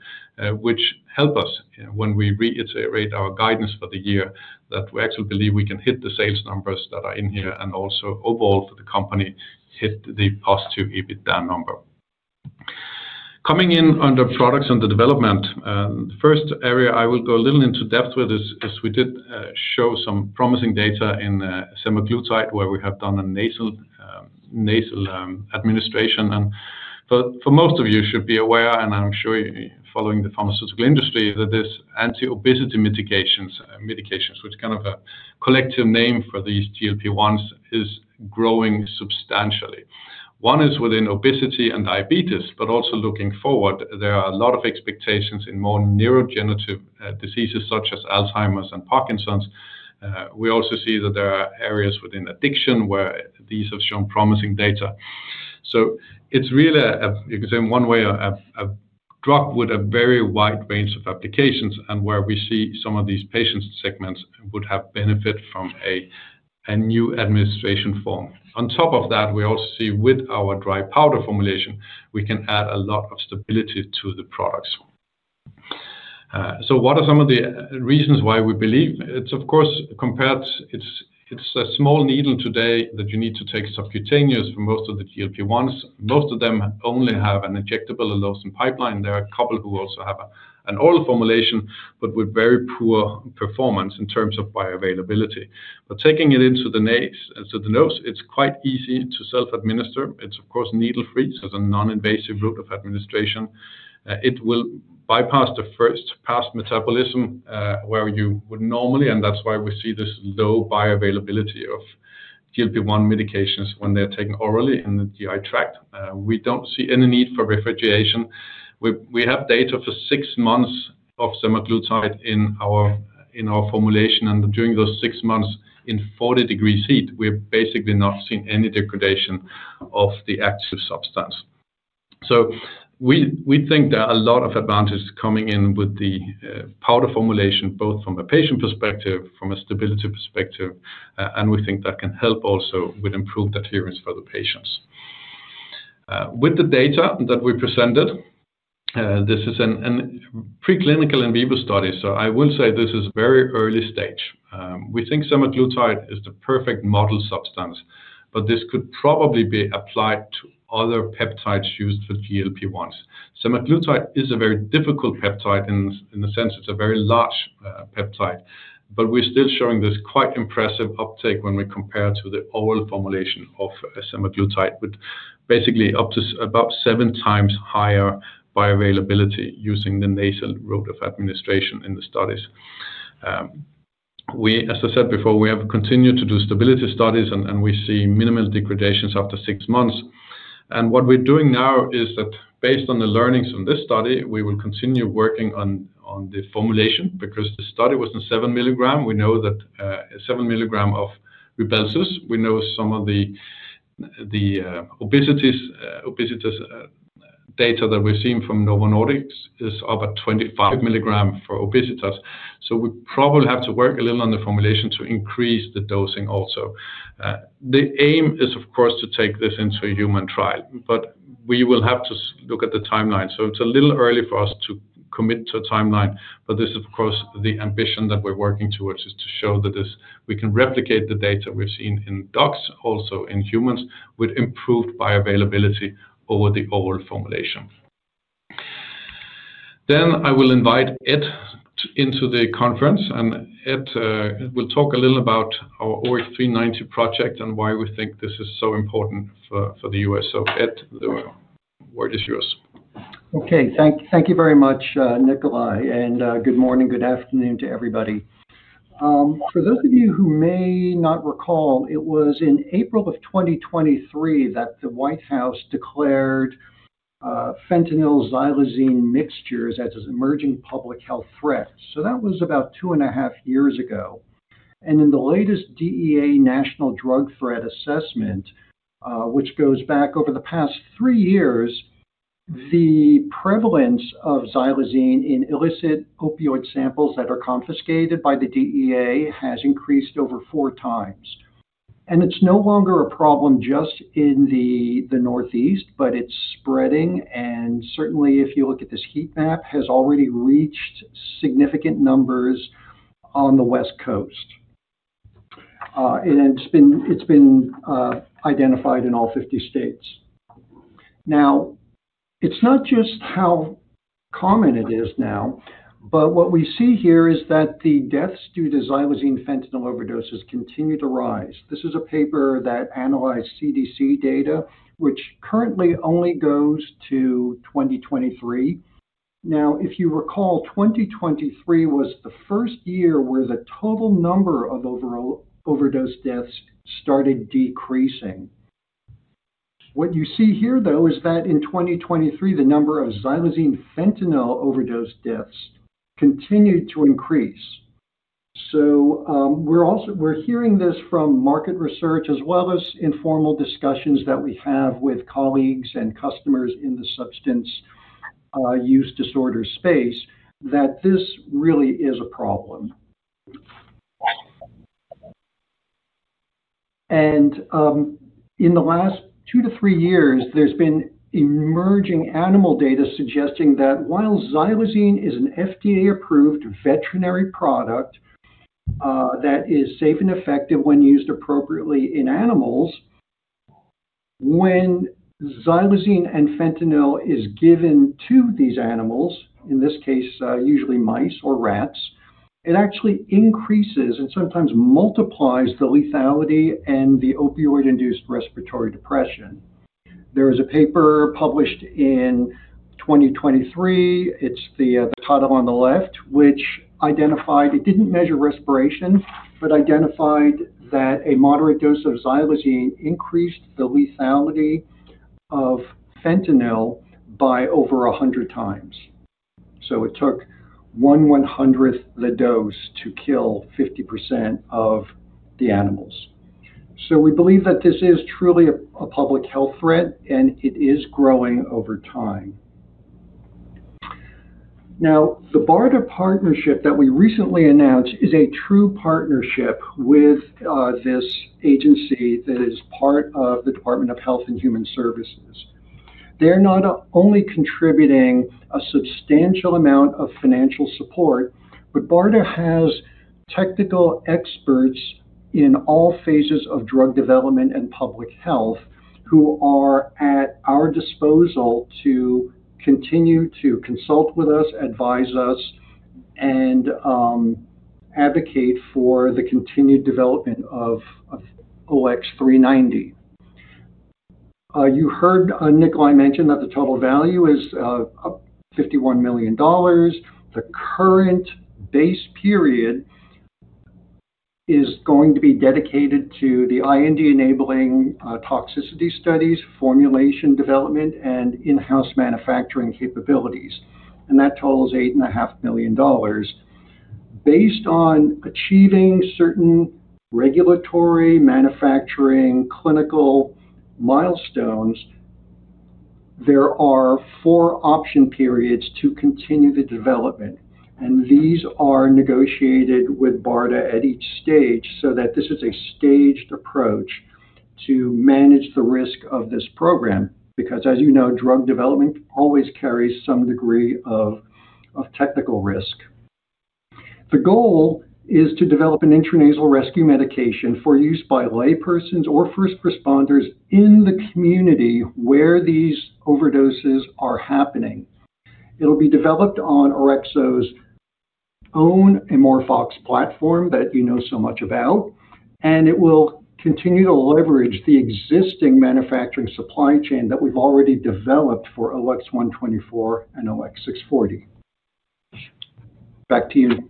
which helps us when we reiterate our guidance for the year, that we actually believe we can hit the sales numbers that are in here and also overall for the company hit the positive EBIT down number. Coming in under products under development, the first area I will go a little into depth with is we did show some promising data in semaglutide where we have done a nasal administration. For most of you, you should be aware, and I'm sure you're following the pharmaceutical industry, that this anti-obesity medications, which is kind of a collective name for these GLP-1s, is growing substantially. One is within obesity and diabetes, but also looking forward, there are a lot of expectations in more neurodegenerative diseases such as Alzheimer's and Parkinson's. We also see that there are areas within addiction where these have shown promising data. It's really, you can say in one way, a drug with a very wide range of applications and where we see some of these patient segments would have benefit from a new administration form. On top of that, we also see with our dry powder formulation, we can add a lot of stability to the products. What are some of the reasons why we believe? It's, of course, compared—it's a small needle today that you need to take subcutaneous for most of the GLP-1s. Most of them only have an injectable or losing pipeline. There are a couple who also have an oral formulation but with very poor performance in terms of bioavailability. Taking it into the nose, it's quite easy to self-administer. It's, of course, needle-free. It's a non-invasive route of administration. It will bypass the first pass metabolism where you would normally, and that's why we see this low bioavailability of GLP-1 medications when they're taken orally in the GI tract. We don't see any need for refrigeration. We have data for six months of semaglutide in our formulation, and during those six months in 40 degrees heat, we've basically not seen any degradation of the active substance. We think there are a lot of advantages coming in with the powder formulation, both from a patient perspective, from a stability perspective, and we think that can help also with improved adherence for the patients. With the data that we presented, this is a preclinical in vivo study, so I will say this is a very early stage. We think semaglutide is the perfect model substance, but this could probably be applied to other peptides used for GLP-1s. Semaglutide is a very difficult peptide in the sense it's a very large peptide, but we're still showing this quite impressive uptake when we compare to the oral formulation of semaglutide, which is basically up to about seven times higher bioavailability using the nasal route of administration in the studies. As I said before, we have continued to do stability studies, and we see minimal degradations after six months. What we're doing now is that based on the learnings from this study, we will continue working on the formulation because the study was in seven mg. We know that seven mg of Rybelsus, we know some of the obesity data that we've seen from Novo Nordisk is about 25 mg for obesity. We probably have to work a little on the formulation to increase the dosing also. The aim is, of course, to take this into a human trial, but we will have to look at the timeline. It's a little early for us to commit to a timeline, but this is, of course, the ambition that we're working towards, to show that we can replicate the data we've seen in dogs, also in humans, with improved bioavailability over the oral formulation. I will invite Ed into the conference, and Ed will talk a little about our OX390 project and why we think this is so important for the U.S. Ed, the word is yours. Okay. Thank you very much, Nikolaj, and good morning, good afternoon to everybody. For those of you who may not recall, it was in April of 2023 that the White House declared fentanyl/xylazine mixtures as an emerging public health threat. That was about two and a half years ago. In the latest DEA national drug threat assessment, which goes back over the past three years, the prevalence of xylazine in illicit opioid samples that are confiscated by the DEA has increased over four times. It's no longer a problem just in the Northeast, but it's spreading, and certainly, if you look at this heat map, it has already reached significant numbers on the West Coast. It's been identified in all 50 states. It's not just how common it is now, but what we see here is that the deaths due to xylazine-fentanyl overdoses continue to rise. This is a paper that analyzed CDC data, which currently only goes to 2023. If you recall, 2023 was the first year where the total number of overdose deaths started decreasing. What you see here, though, is that in 2023, the number of xylazine-fentanyl overdose deaths continued to increase. We're hearing this from market research as well as informal discussions that we have with colleagues and customers in the substance use disorder space that this really is a problem. In the last two to three years, there's been emerging animal data suggesting that while xylazine is an FDA-approved veterinary product that is safe and effective when used appropriately in animals, when xylazine and fentanyl are given to these animals, in this case, usually mice or rats, it actually increases and sometimes multiplies the lethality and the opioid-induced respiratory depression. There is a paper published in 2023. It's the title on the left, which identified it didn't measure respiration, but identified that a moderate dose of xylazine increased the lethality of fentanyl by over 100 times. It took one one-hundredth of the dose to kill 50% of the animals. We believe that this is truly a public health threat, and it is growing over time. The BARDA partnership that we recently announced is a true partnership with this agency that is part of the Department of Health and Human Services. They're not only contributing a substantial amount of financial support, but BARDA has technical experts in all phases of drug development and public health who are at our disposal to continue to consult with us, advise us, and advocate for the continued development of OX390. You heard Nikolaj mention that the total value is $51 million. The current base period is going to be dedicated to the IND-enabling toxicity studies, formulation development, and in-house manufacturing capabilities. That $8.5 million. based on achieving certain regulatory, manufacturing, clinical milestones, there are four option periods to continue the development. These are negotiated with BARDA at each stage so that this is a staged approach to manage the risk of this program because, as you know, drug development always carries some degree of technical risk. The goal is to develop an intranasal rescue medication for use by laypersons or first responders in the community where these overdoses are happening. It'll be developed on Orexo's own AmorphOX platform that you know so much about. It will continue to leverage the existing manufacturing supply chain that we've already developed for OX124 and OX640. Back to you.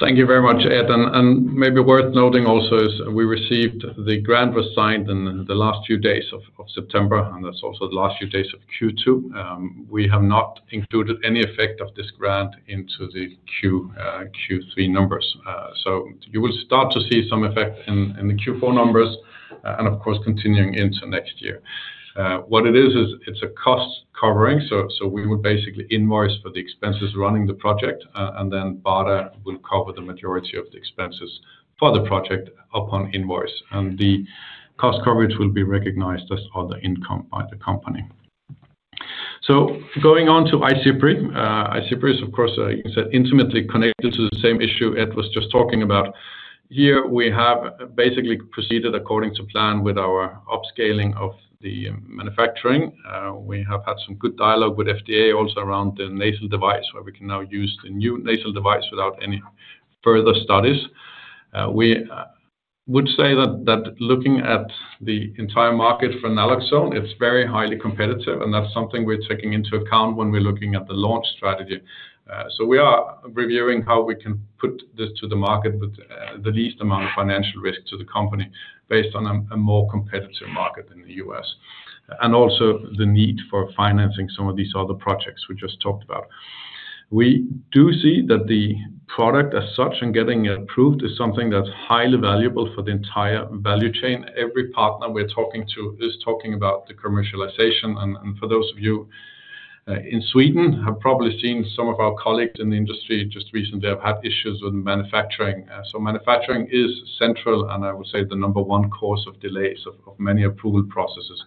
Thank you very much, Ed. Maybe worth noting also is we received the grant was signed in the last few days of September, and that's also the last few days of Q2. We have not included any effect of this grant into the Q3 numbers. You will start to see some effect in the Q4 numbers and, of course, continuing into next year. What it is, is it's a cost covering. We would basically invoice for the expenses running the project, and then BARDA will cover the majority of the expenses for the project upon invoice. The cost coverage will be recognized as other income by the company. Going on to iCIPRI. iCIPRI is, of course, intimately connected to the same issue Ed was just talking about. Here, we have basically proceeded according to plan with our upscaling of the manufacturing. We have had some good dialogue with FDA also around the nasal device where we can now use the new nasal device without any further studies. Looking at the entire market for naloxone, it's very highly competitive, and that's something we're taking into account when we're looking at the launch strategy. We are reviewing how we can put this to the market with the least amount of financial risk to the company based on a more competitive market in the U.S. and also the need for financing some of these other projects we just talked about. We do see that the product as such and getting it approved is something that's highly valuable for the entire value chain. Every partner we're talking to is talking about the commercialization. For those of you in Sweden, have probably seen some of our colleagues in the industry just recently have had issues with manufacturing. Manufacturing is central, and I would say the number one cause of delays of many approval processes.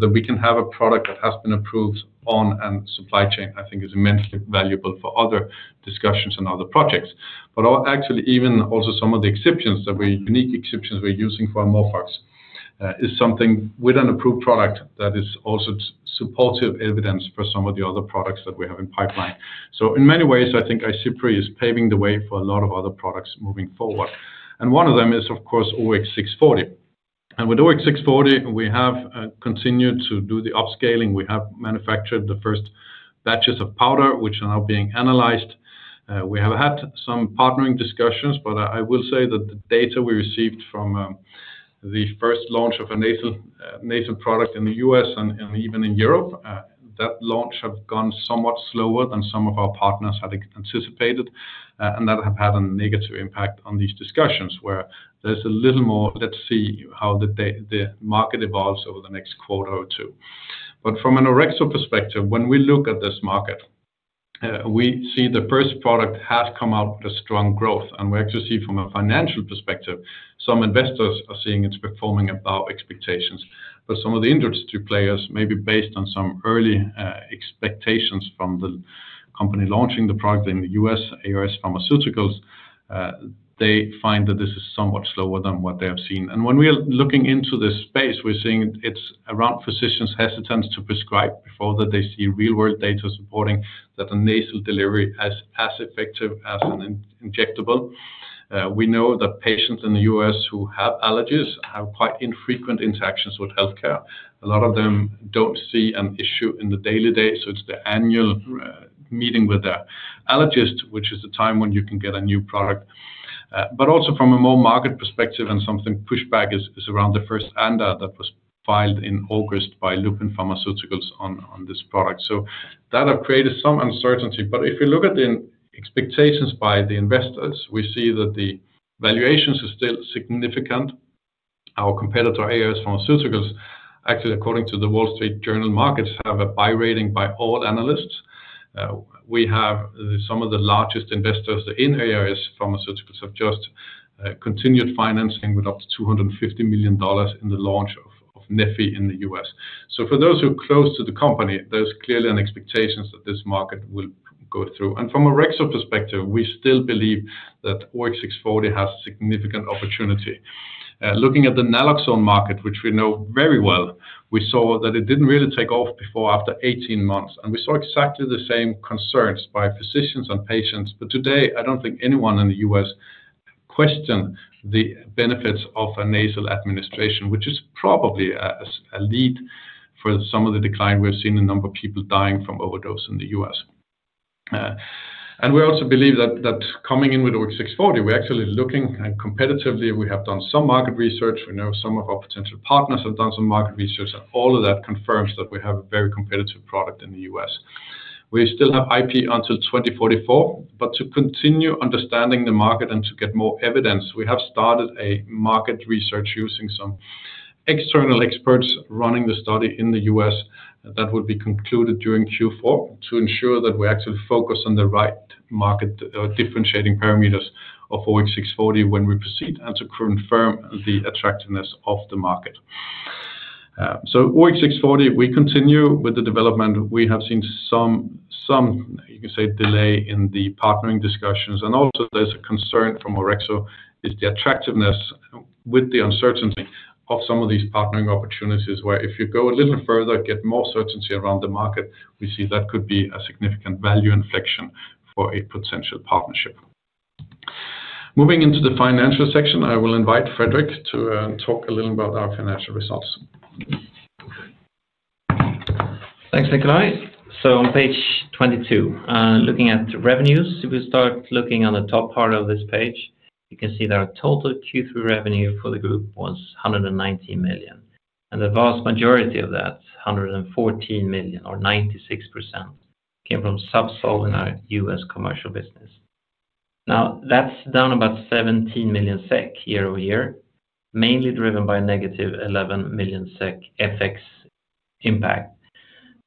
That we can have a product that has been approved on a supply chain, I think is immensely valuable for other discussions and other projects. Actually, even also some of the exceptions that we're unique exceptions we're using for AmorphOX is something with an approved product that is also supportive evidence for some of the other products that we have in pipeline. In many ways, I think iCIPRI is paving the way for a lot of other products moving forward. One of them is, of course, OX640. With OX640, we have continued to do the upscaling. We have manufactured the first batches of powder, which are now being analyzed. We have had some partnering discussions, but I will say that the data we received from the first launch of a nasal product in the U.S. and even in Europe, that launch has gone somewhat slower than some of our partners had anticipated. That has had a negative impact on these discussions where there's a little more, let's see how the market evolves over the next quarter or two. From an Orexo perspective, when we look at this market, we see the first product has come out with a strong growth. We actually see from a financial perspective, some investors are seeing it's performing above expectations. Some of the industry players, maybe based on some early expectations from the company launching the product in the U.S., AOS Pharmaceuticals, find that this is somewhat slower than what they have seen. When we are looking into this space, we're seeing it's around physicians' hesitance to prescribe before they see real-world data supporting that a nasal delivery is as effective as an injectable. We know that patients in the U.S. who have allergies have quite infrequent interactions with healthcare. A lot of them don't see an issue in the daily day. It's the annual meeting with the allergist, which is the time when you can get a new product. From a more market perspective, some pushback is around the first ANDA that was filed in August by Lupin Pharmaceuticals on this product. That has created some uncertainty. If you look at the expectations by the investors, we see that the valuations are still significant. Our competitor, AOS Pharmaceuticals, actually, according to the Wall Street Journal Markets, has a buy rating by all analysts. Some of the largest investors in AOS Pharmaceuticals have just continued financing with up $250 million in the launch of Nefi in the U.S. For those who are close to the company, there's clearly an expectation that this market will go through. From an Orexo perspective, we still believe that OX640 has significant opportunity. Looking at the naloxone market, which we know very well, we saw that it didn't really take off before after 18 months. We saw exactly the same concerns by physicians and patients. Today, I don't think anyone in the U.S. questions the benefits of a nasal administration, which is probably a lead for some of the decline we've seen in the number of people dying from overdose in the U.S. We also believe that coming in with OX640, we're actually looking competitively. We have done some market research. We know some of our potential partners have done some market research, and all of that confirms that we have a very competitive product in the U.S. We still have IP until 2044. To continue understanding the market and to get more evidence, we have started a market research using some external experts running the study in the U.S. that will be concluded during Q4 to ensure that we actually focus on the right market differentiating parameters of OX640 when we proceed and to confirm the attractiveness of the market. OX640, we continue with the development. We have seen some, you can say, delay in the partnering discussions. There is also a concern from Orexo about the attractiveness with the uncertainty of some of these partnering opportunities where if you go a little further, get more certainty around the market, we see that could be a significant value inflection for a potential partnership. Moving into the financial section, I will invite Fredrik to talk a little about our financial results. Thanks, Nikolaj. On page 22, looking at revenues, if we start looking on the top part of this page, you can see that our total Q3 revenue for the group was 119 million. The vast majority of that, 114 million or 96%, came from Zubsolv in our U.S. commercial business. That's down about 17 million SEK year-over-year, mainly driven by a negative 11 million SEK FX impact.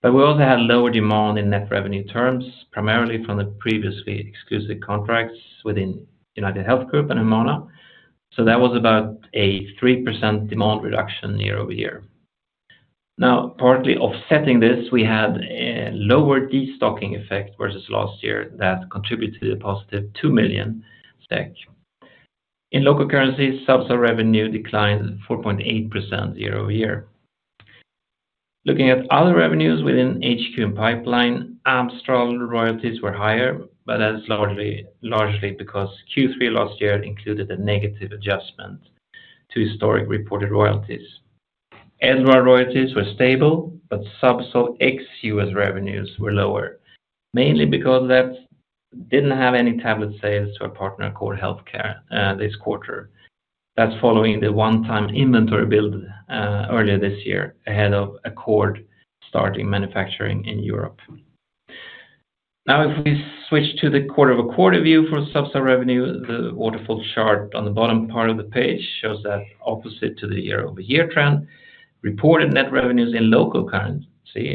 We also had lower demand in net revenue terms, primarily from the previously exclusive contracts within UnitedHealth Group and Humana. That was about a 3% demand reduction year-over-year. Partly offsetting this, we had a lower destocking effect versus last year that contributed a positive 2 million SEK. In local currencies, Zubsolv revenue declined 4.8% year-over-year. Looking at other revenues within HQ and pipeline, AmorphOX royalties were higher, but that is largely because Q3 last year included a negative adjustment to historic reported royalties. Edelrod royalties were stable, but Zubsolv ex-U.S. revenues were lower, mainly because there were no tablet sales to our partner, Accord Healthcare, this quarter. That's following the one-time inventory build earlier this year ahead of Accord starting manufacturing in Europe. If we switch to the quarter-over-quarter view for Zubsolv revenue, the waterfall chart on the bottom part of the page shows that opposite to the year-over-year trend, reported net revenues in local currency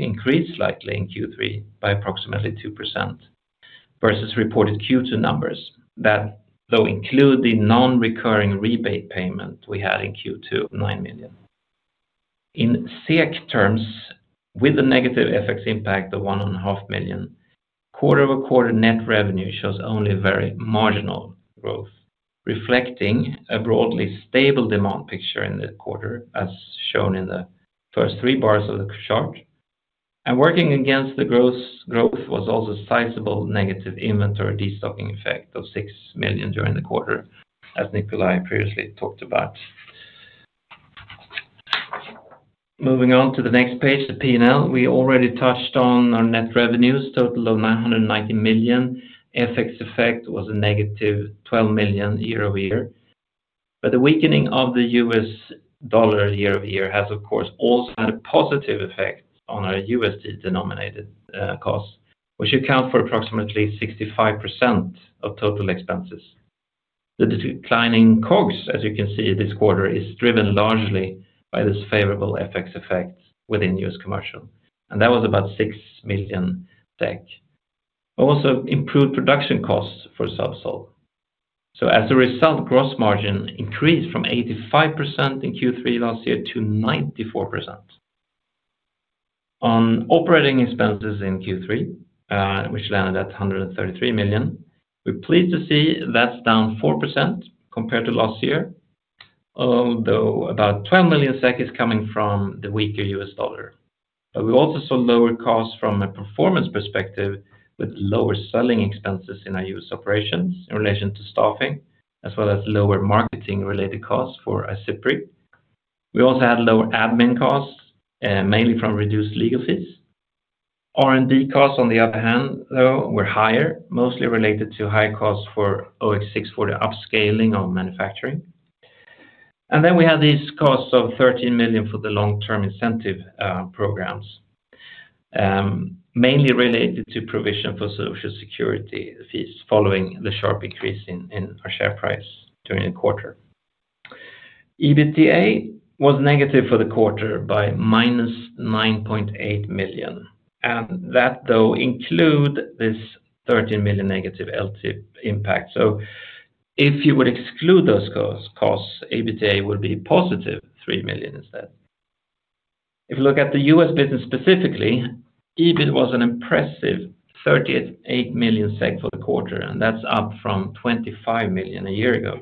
increased slightly in Q3 by approximately 2% versus reported Q2 numbers. That, though, includes the non-recurring rebate payment we had in Q2, 9 million. In SEK terms, with a negative FX impact of 1.5 million, quarter-over-quarter net revenue shows only very marginal growth, reflecting a broadly stable demand picture in the quarter as shown in the first three bars of the chart. Working against the growth was also a sizable negative inventory destocking effect of 6 million during the quarter, as Nikolaj previously talked about. Moving on to the next page, the P&L, we already touched on our net revenues total of 990 million. FX effect was -12 million year-over-year. The weakening of the U.S. dollar year-over-year has, of course, also had a positive effect on our USD denominated costs, which account for approximately 65% of total expenses. The declining COGS, as you can see this quarter, is driven largely by this favorable FX effect within U.S. commercial. That was about 6 million. Also improved production costs for Zubsolv. As a result, gross margin increased from 85% in Q3 last year to 94%. On operating expenses in Q3, which landed at 133 million, we're pleased to see that's down 4% compared to last year, although about 12 million SEK is coming from the weaker U.S. dollar. We also saw lower costs from a performance perspective with lower selling expenses in our U.S. operations in relation to staffing, as well as lower marketing-related costs for iCIPRI. We also had lower admin costs, mainly from reduced legal fees. R&D costs, on the other hand, were higher, mostly related to high costs for OX640 upscaling on manufacturing. We had these costs of 13 million for the long-term incentive programs, mainly related to provision for Social Security fees following the sharp increase in our share price during the quarter. EBITDA was negative for the quarter by minus 9.8 million. That includes this 13 million negative LTIP impact. If you would exclude those costs, EBITDA would be +3 million instead. If you look at the U.S. business specifically, EBIT was an impressive 38 million SEK for the quarter, and that's up from 25 million a year ago.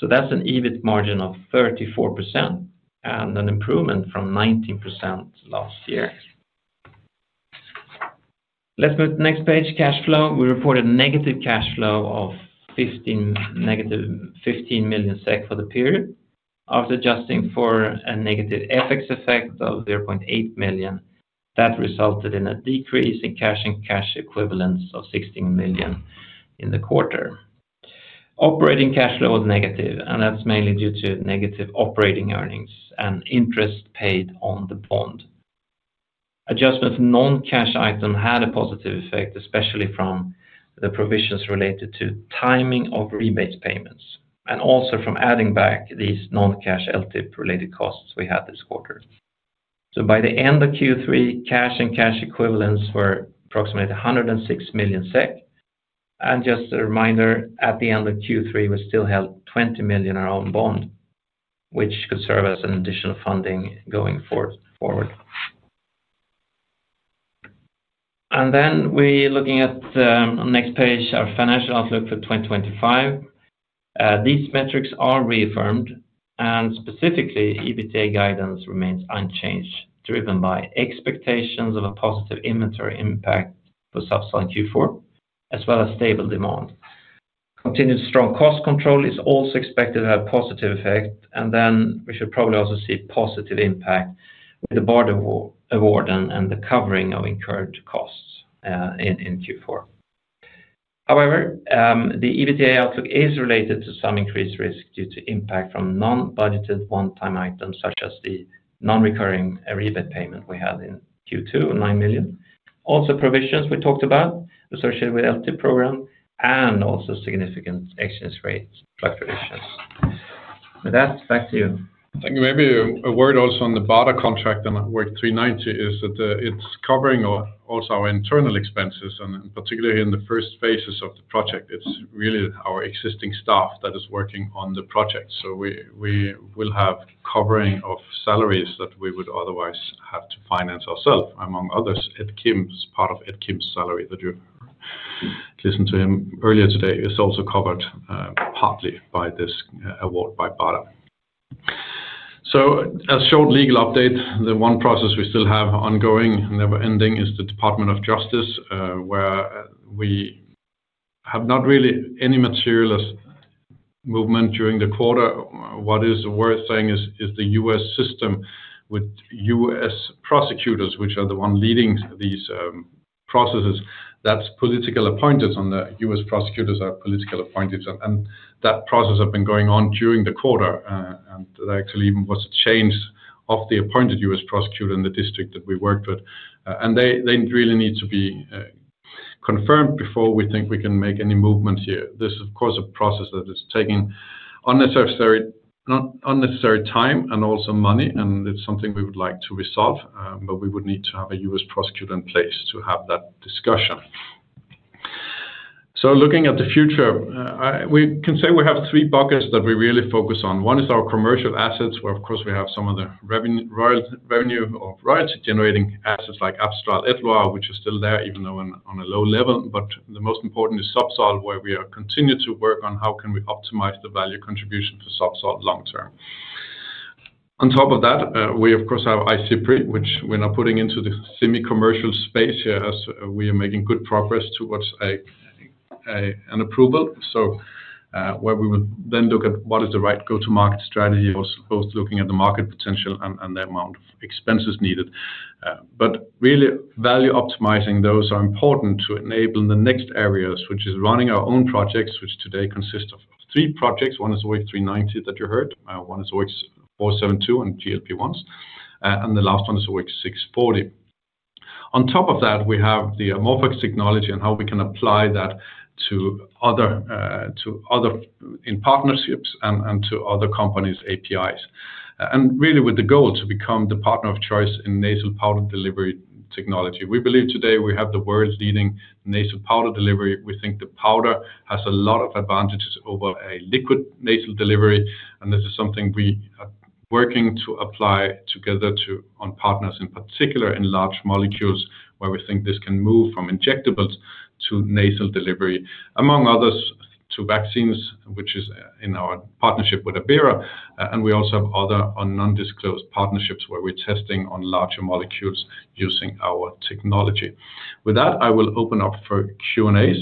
That's an EBIT margin of 34% and an improvement from 19% last year. Let's move to the next page, cash flow. We reported negative cash flow of 15 million SEK for the period. After adjusting for a negative FX effect of 0.8 million, that resulted in a decrease in cash and cash equivalents of 16 million in the quarter. Operating cash flow was negative, mainly due to negative operating earnings and interest paid on the bond. Adjustment to non-cash items had a positive effect, especially from the provisions related to timing of rebate payments and also from adding back these non-cash LTIP-related costs we had this quarter. By the end of Q3, cash and cash equivalents were approximately 106 million SEK. Just a reminder, at the end of Q3, we still held 20 million in our own bond, which could serve as an additional funding going forward. We're looking at the next page, our financial outlook for 2025. These metrics are reaffirmed, and specifically, EBITDA guidance remains unchanged, driven by expectations of a positive inventory impact for Zubsolv in Q4, as well as stable demand. Continued strong cost control is also expected to have a positive effect. We should probably also see positive impact with the BARDA award and the covering of incurred costs in Q4. However, the EBITDA outlook is related to some increased risk due to impact from non-budgeted one-time items such as the non-recurring rebate payment we had in Q2, 9 million. Also, provisions we talked about associated with the long-term incentive programs and also significant exchange rate fluctuations. With that, back to you. Thank you. Maybe a word also on the BARDA contract and OX390 is that it's covering also our internal expenses, and particularly in the first phases of the project, it's really our existing staff that is working on the project. We will have covering of salaries that we would otherwise have to finance ourselves. Among others, Ed Kim's part of Ed Kim's salary that you've listened to him earlier today is also covered partly by this award by BARDA. A short legal update. The one process we still have ongoing, never ending, is the Department of Justice where we have not really any material movement during the quarter. What is worth saying is the U.S. system with U.S. prosecutors, which are the ones leading these processes, that's politically appointed. The U.S. prosecutors are politically appointed and that process has been going on during the quarter. There actually even was a change of the appointed U.S. prosecutor in the district that we worked with. They really need to be confirmed before we think we can make any movement here. This is, of course, a process that is taking unnecessary time and also money, and it's something we would like to resolve, but we would need to have a U.S. prosecutor in place to have that discussion. Looking at the future, we can say we have three buckets that we really focus on. One is our commercial assets where, of course, we have some of the revenue of royalty-generating assets like Amstrad, Etlwa, which is still there, even though on a low level. The most important is Zubsolv where we continue to work on how can we optimize the value contribution for Zubsolv long term. On top of that, we, of course, have iCIPRI, which we're now putting into the semi-commercial space here as we are making good progress towards an approval. We would then look at what is the right go-to-market strategy, both looking at the market potential and the amount of expenses needed. Really, value optimizing, those are important to enable the next areas, which is running our own projects, which today consist of three projects. One is OX390 that you heard. One is OX472 and GLP-1s. The last one is OX640. On top of that, we have the AmorphOX technology and how we can apply that to other partnerships and to other companies' APIs, with the goal to become the partner of choice in nasal powder delivery technology. We believe today we have the world's leading nasal powder delivery. We think the powder has a lot of advantages over a liquid nasal delivery. This is something we are working to apply together on partners, in particular in large molecules where we think this can move from injectables to nasal delivery, among others, to vaccines, which is in our partnership with Abera Bioscience. We also have other non-disclosed partnerships where we're testing on larger molecules using our technology. With that, I will open up for Q&As.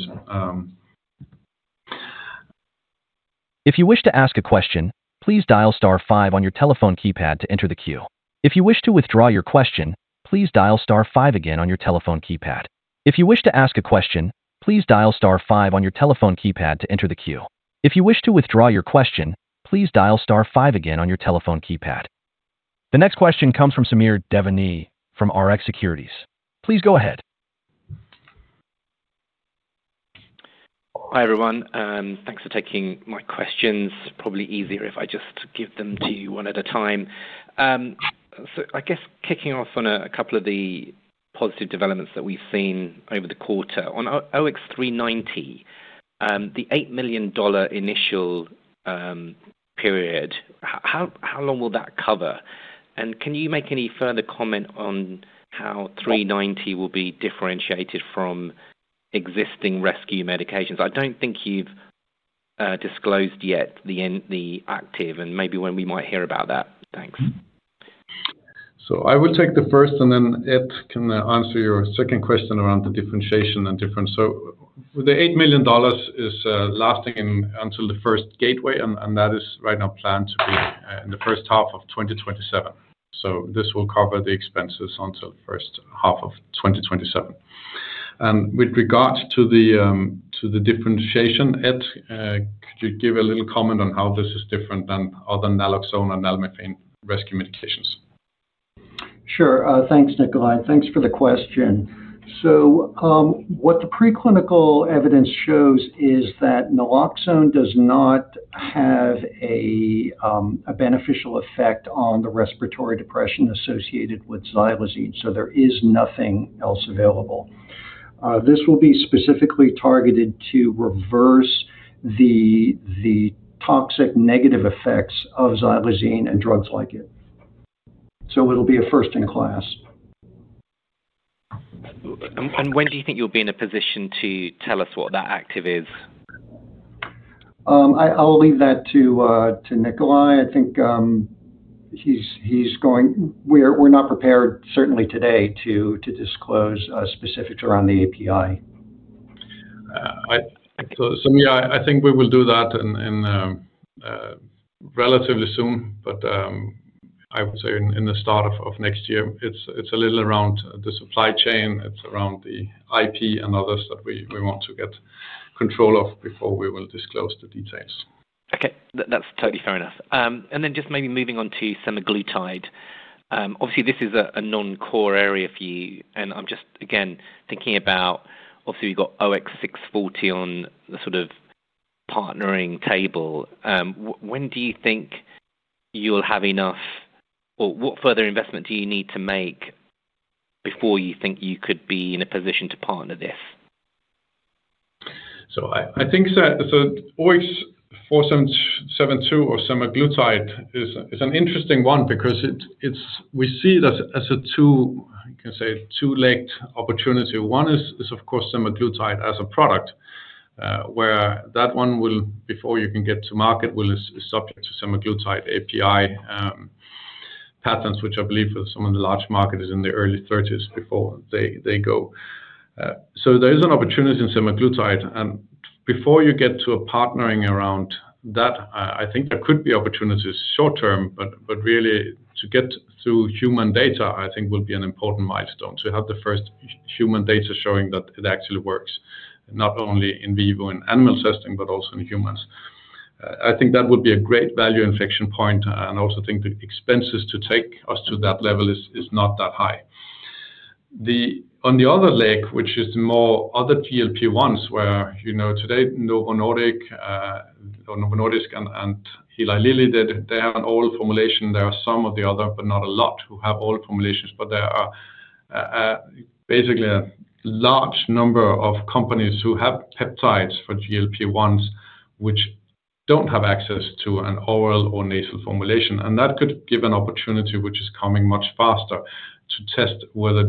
If you wish to ask a question, please dial star five on your telephone keypad to enter the queue. If you wish to withdraw your question, please dial star five again on your telephone keypad. If you wish to ask a question, please dial star five on your telephone keypad to enter the queue. If you wish to withdraw your question, please dial star five again on your telephone keypad. The next question comes from Samir Devani from Rx Securities. Please go ahead. Hi, everyone. Thanks for taking my questions. Probably easier if I just give them to you one at a time. I guess kicking off on a couple of the positive developments that we've seen over the quarter. On OX390, $8 million initial period, how long will that cover? Can you make any further comment on how 390 will be differentiated from existing rescue medications? I don't think you've disclosed yet the active and maybe when we might hear about that. Thanks. I will take the first, and then Ed can answer your second question around the differentiation and difference. $8 million is lasting until the first gateway, and that is right now planned to be in the first half of 2027. This will cover the expenses until the first half of 2027. With regard to the differentiation, Ed, could you give a little comment on how this is different than other naloxone and nalmefene rescue medications? Sure. Thanks, Nikolaj. Thanks for the question. What the preclinical evidence shows is that naloxone does not have a beneficial effect on the respiratory depression associated with xylazine. There is nothing else available. This will be specifically targeted to reverse the toxic negative effects of xylazine and drugs like it. It'll be a first in class. When do you think you'll be in a position to tell us what that active is? I'll leave that to Nikolaj. I think we're not prepared, certainly today, to disclose specifics around the API. I think we will do that relatively soon, but I would say in the start of next year. It's a little around the supply chain. It's around the IP and others that we want to get control of before we will disclose the details. Okay. That's totally fair enough. Maybe moving on to semaglutide. Obviously, this is a non-core area for you. I'm just, again, thinking about obviously, we've got OX640 on the sort of partnering table. When do you think you'll have enough or what further investment do you need to make before you think you could be in a position to partner this? I think OX472 or semaglutide is an interesting one because we see it as a two, you can say, two-legged opportunity. One is, of course, semaglutide as a product, where that one will, before you can get to market, is subject to semaglutide API patents, which I believe for some of the large markets is in the early 2030s before they go. There is an opportunity in semaglutide. Before you get to a partnering around that, I think there could be opportunities short term. Really, to get through human data, I think, will be an important milestone to have the first human data showing that it actually works, not only in vivo in animal testing, but also in humans. I think that would be a great value inflection point. I also think the expenses to take us to that level is not that high. On the other leg, which is the more other GLP-1s, where today Novo Nordisk and Eli Lilly, they have an oil formulation. There are some of the others, but not a lot, who have oil formulations. There are basically a large number of companies who have peptides for GLP-1s, which don't have access to an oil or nasal formulation. That could give an opportunity, which is coming much faster, to test whether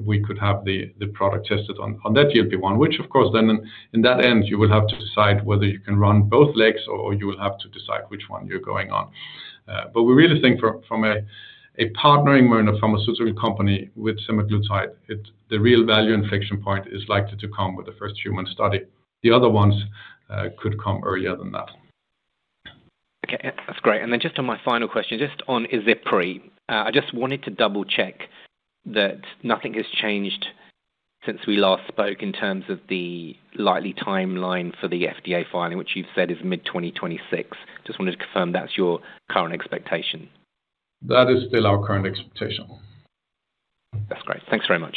we could have the product tested on that GLP-1, which, of course, then in that end, you will have to decide whether you can run both legs or you will have to decide which one you're going on. We really think from a partnering when a pharmaceutical company with semaglutide, the real value inflection point is likely to come with the first human study. The other ones could come earlier than that. Okay. That's great. Just on my final question, on iCIPRI, I just wanted to double-check that nothing has changed since we last spoke in terms of the likely timeline for the FDA filing, which you've said is mid-2026. I just wanted to confirm that's your current expectation. That is still our current expectation. That's great. Thanks very much.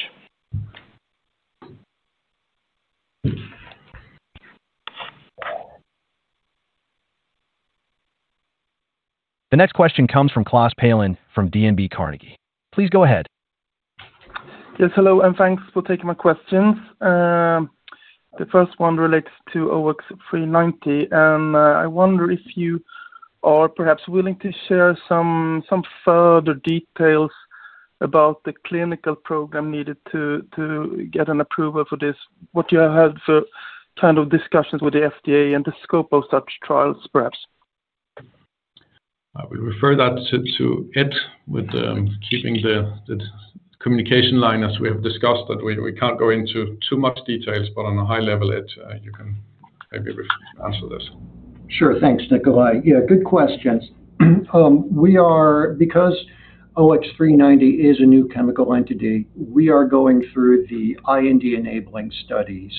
The next question comes from Klas Palin from DNB Carnegie. Please go ahead. Yes. Hello, and thanks for taking my questions. The first one relates to OX390. I wonder if you are perhaps willing to share some further details about the clinical program needed to get an approval for this, what you have had for kind of discussions with the FDA and the scope of such trials, perhaps. I will refer that to Ed, keeping the communication line as we have discussed that we can't go into too much detail, but on a high level, Ed, you can maybe answer this. Sure. Thanks, Nikolaj. Good questions. Because OX390 is a new chemical entity, we are going through the IND-enabling studies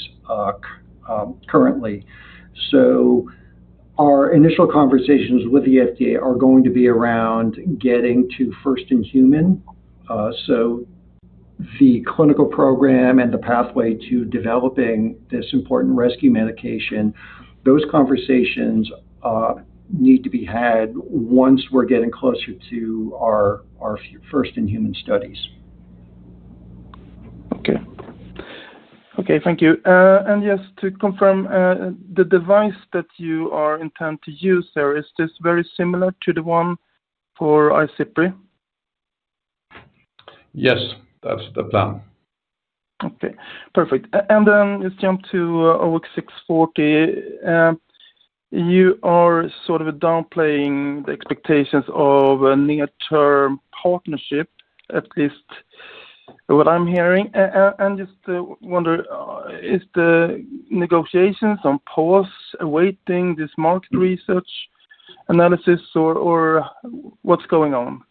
currently. Our initial conversations with the FDA are going to be around getting to first in human. The clinical program and the pathway to developing this important rescue medication, those conversations need to be had once we're getting closer to our first in human studies. Okay. Thank you. Yes, to confirm, the device that you intend to use there, is this very similar to the one for iCIPRI? Yes, that's the plan. Okay. Perfect. Let's jump to OX640. You are sort of downplaying the expectations of a near-term partnership, at least what I'm hearing. I just wonder, is the negotiations on pause awaiting this market research analysis or what's going on?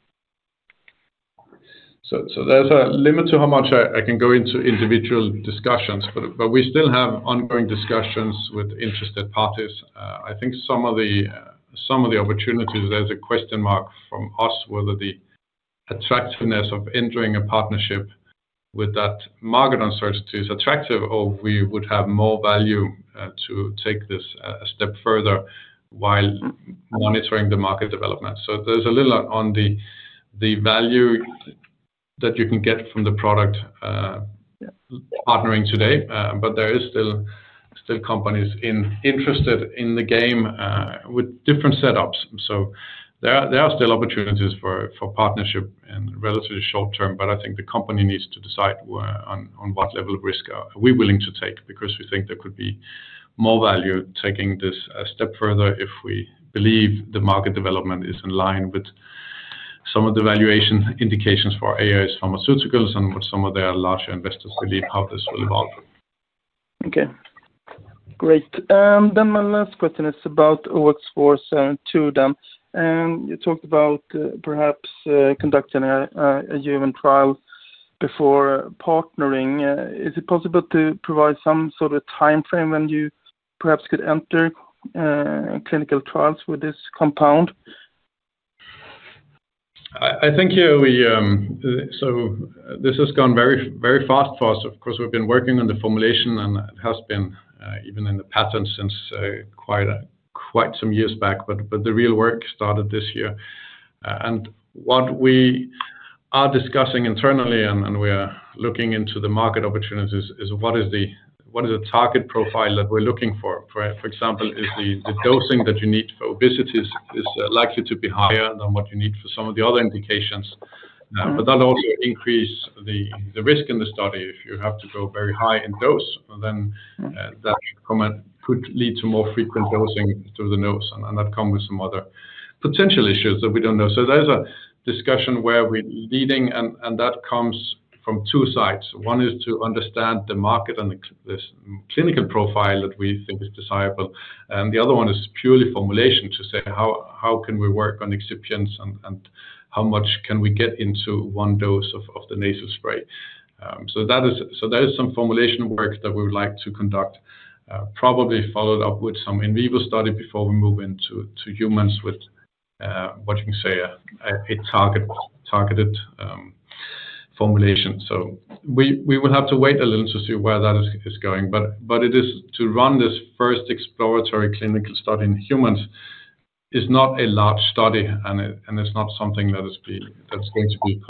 There is a limit to how much I can go into individual discussions, but we still have ongoing discussions with interested parties. I think some of the opportunities, there's a question mark from us whether the attractiveness of entering a partnership with that market uncertainty is attractive or we would have more value to take this a step further while monitoring the market development. There is a little on the value that you can get from the product partnering today. There are still companies interested in the game with different setups. There are still opportunities for partnership in relatively short term. I think the company needs to decide on what level of risk we're willing to take because we think there could be more value taking this a step further if we believe the market development is in line with some of the valuation indications for AOS Pharmaceuticals and what some of their larger investors believe how this will evolve. Okay. Great. Then my last question is about OX472. You talked about perhaps conducting a human trial before partnering. Is it possible to provide some sort of a timeframe when you perhaps could enter clinical trials with this compound? I think here we, this has gone very, very fast for us. Of course, we've been working on the formulation, and it has been even in the patent since quite some years back. The real work started this year. What we are discussing internally and we are looking into the market opportunities is what is the target profile that we're looking for? For example, is the dosing that you need for obesity likely to be higher than what you need for some of the other indications? That also increases the risk in the study. If you have to go very high in dose, that could lead to more frequent dosing through the nose, and that comes with some other potential issues that we don't know. There's a discussion where we're leading, and that comes from two sides. One is to understand the market and the clinical profile that we think is desirable. The other one is purely formulation to say how can we work on excipients and how much can we get into one dose of the nasal spray? There is some formulation work that we would like to conduct, probably followed up with some in vivo study before we move into humans with what you can say a targeted formulation. We will have to wait a little to see where that is going. To run this first exploratory clinical study in humans is not a large study, and it's not something that is going to be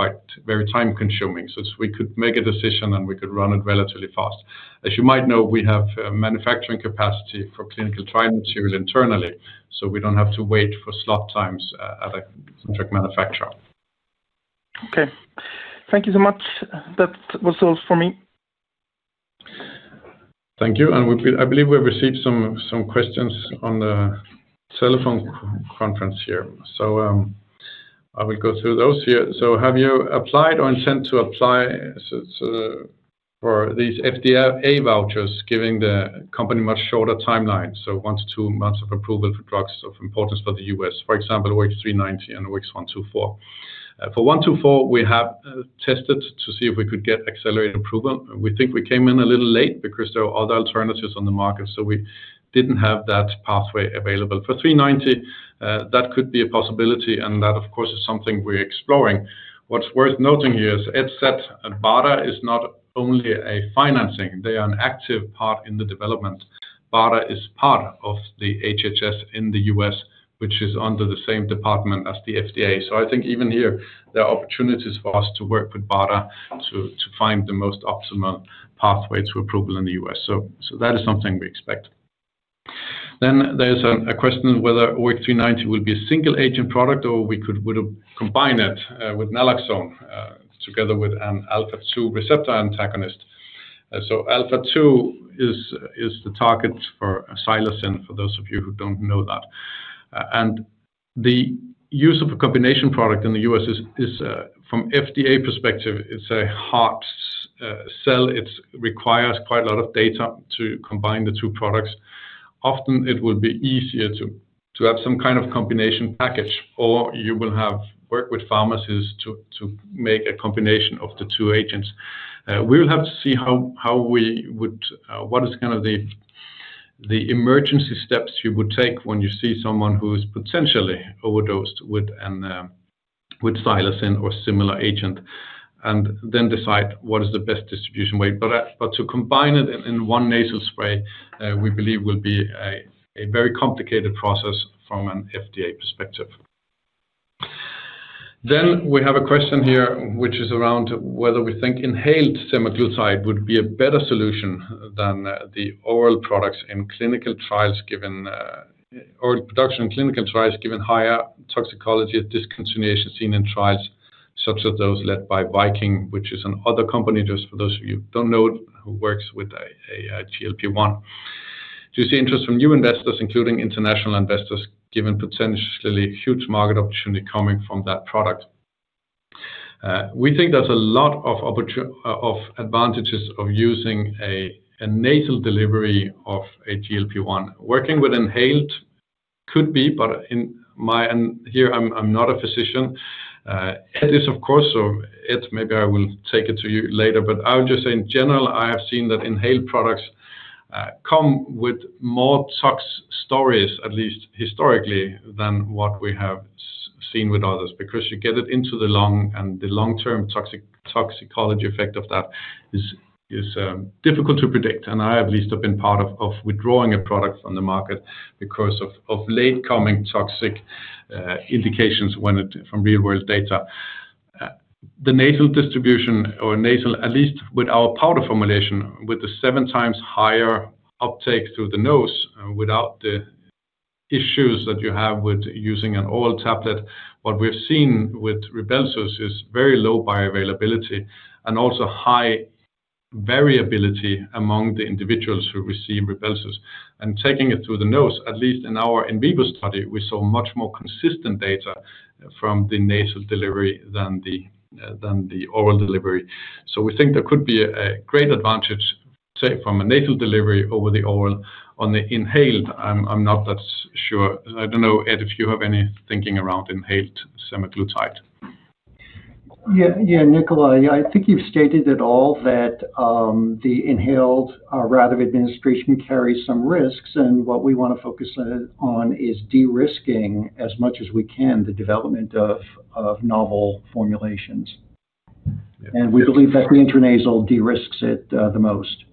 very time-consuming. We could make a decision, and we could run it relatively fast. As you might know, we have manufacturing capacity for clinical trial material internally, so we don't have to wait for slot times at a contract manufacturer. Okay, thank you so much. That was all for me. Thank you. I believe we received some questions on the telephone conference here. I will go through those here. Have you applied or intend to apply for these FDA vouchers giving the company much shorter timeline, so one to two months of approval for drugs of importance for the U.S., for example, OX390 and OX124? For OX124, we have tested to see if we could get accelerated approval. We think we came in a little late because there are other alternatives on the market, so we didn't have that pathway available. For OX390, that could be a possibility, and that, of course, is something we're exploring. What's worth noting here is Ed said BARDA is not only a financing. They are an active part in the development. BARDA is part of the HHS in the U.S., which is under the same department as the FDA. I think even here, there are opportunities for us to work with BARDA to find the most optimal pathway to approval in the U.S. That is something we expect. There's a question whether OX390 will be a single-agent product or we could combine it with naloxone together with an alpha-2 receptor antagonist. Alpha-2 is the target for psilocybin, for those of you who don't know that. The use of a combination product in the U.S. is, from FDA perspective, it's a hard sell. It requires quite a lot of data to combine the two products. Often, it will be easier to have some kind of combination package, or you will have to work with pharmacies to make a combination of the two agents. We will have to see what is kind of the emergency steps you would take when you see someone who is potentially overdosed with psilocybin or a similar agent and then decide what is the best distribution way. To combine it in one nasal spray, we believe will be a very complicated process from an FDA perspective. We have a question here, which is around whether we think inhaled semaglutide would be a better solution than the oral products in clinical trials given oral production in clinical trials given higher toxicology at discontinuation seen in trials such as those led by Viking, which is another company, just for those of you who don't know, who works with a GLP-1. Do you see interest from new investors, including international investors, given potentially huge market opportunity coming from that product? We think there's a lot of advantages of using a nasal delivery of a GLP-1. Working with inhaled could be, but in my, and here I'm not a physician. Ed is, of course, so Ed, maybe I will take it to you later. I would just say, in general, I have seen that inhaled products come with more tox stories at least historically than what we have seen with others because you get it into the lung, and the long-term toxicology effect of that is difficult to predict. I at least have been part of withdrawing a product from the market because of late coming toxic indications from real-world data. The nasal distribution, or nasal, at least with our powder formulation, with the seven times higher uptake through the nose without the issues that you have with using an oral tablet, what we've seen with Rybelsus is very low bioavailability and also high variability among the individuals who receive Rybelsus. Taking it through the nose, at least in our in vivo study, we saw much more consistent data from the nasal delivery than the oral delivery. We think there could be a great advantage, say, from a nasal delivery over the oral. On the inhaled, I'm not that sure. I don't know, Ed, if you have any thinking around inhaled semaglutide. Yeah, yeah, Nikolaj. I think you've stated it all that the inhaled route of administration carries some risks. What we want to focus on is de-risking as much as we can the development of novel formulations. We believe that the intranasal de-risks it the most.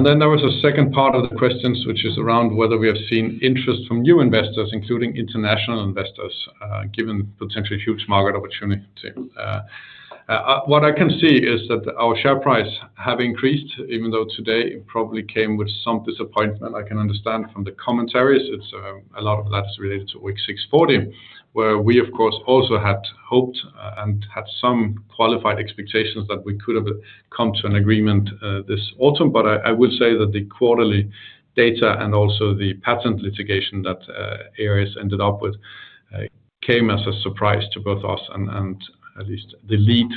There was a second part of the questions, which is around whether we have seen interest from new investors, including international investors, given the potentially huge market opportunity. What I can see is that our share price has increased, even though today it probably came with some disappointment. I can understand from the commentaries a lot of that is related to OX640, where we, of course, also had hoped and had some qualified expectations that we could have come to an agreement this autumn. I will say that the quarterly data and also the patent litigation that AOS ended up with came as a surprise to both us and at least the lead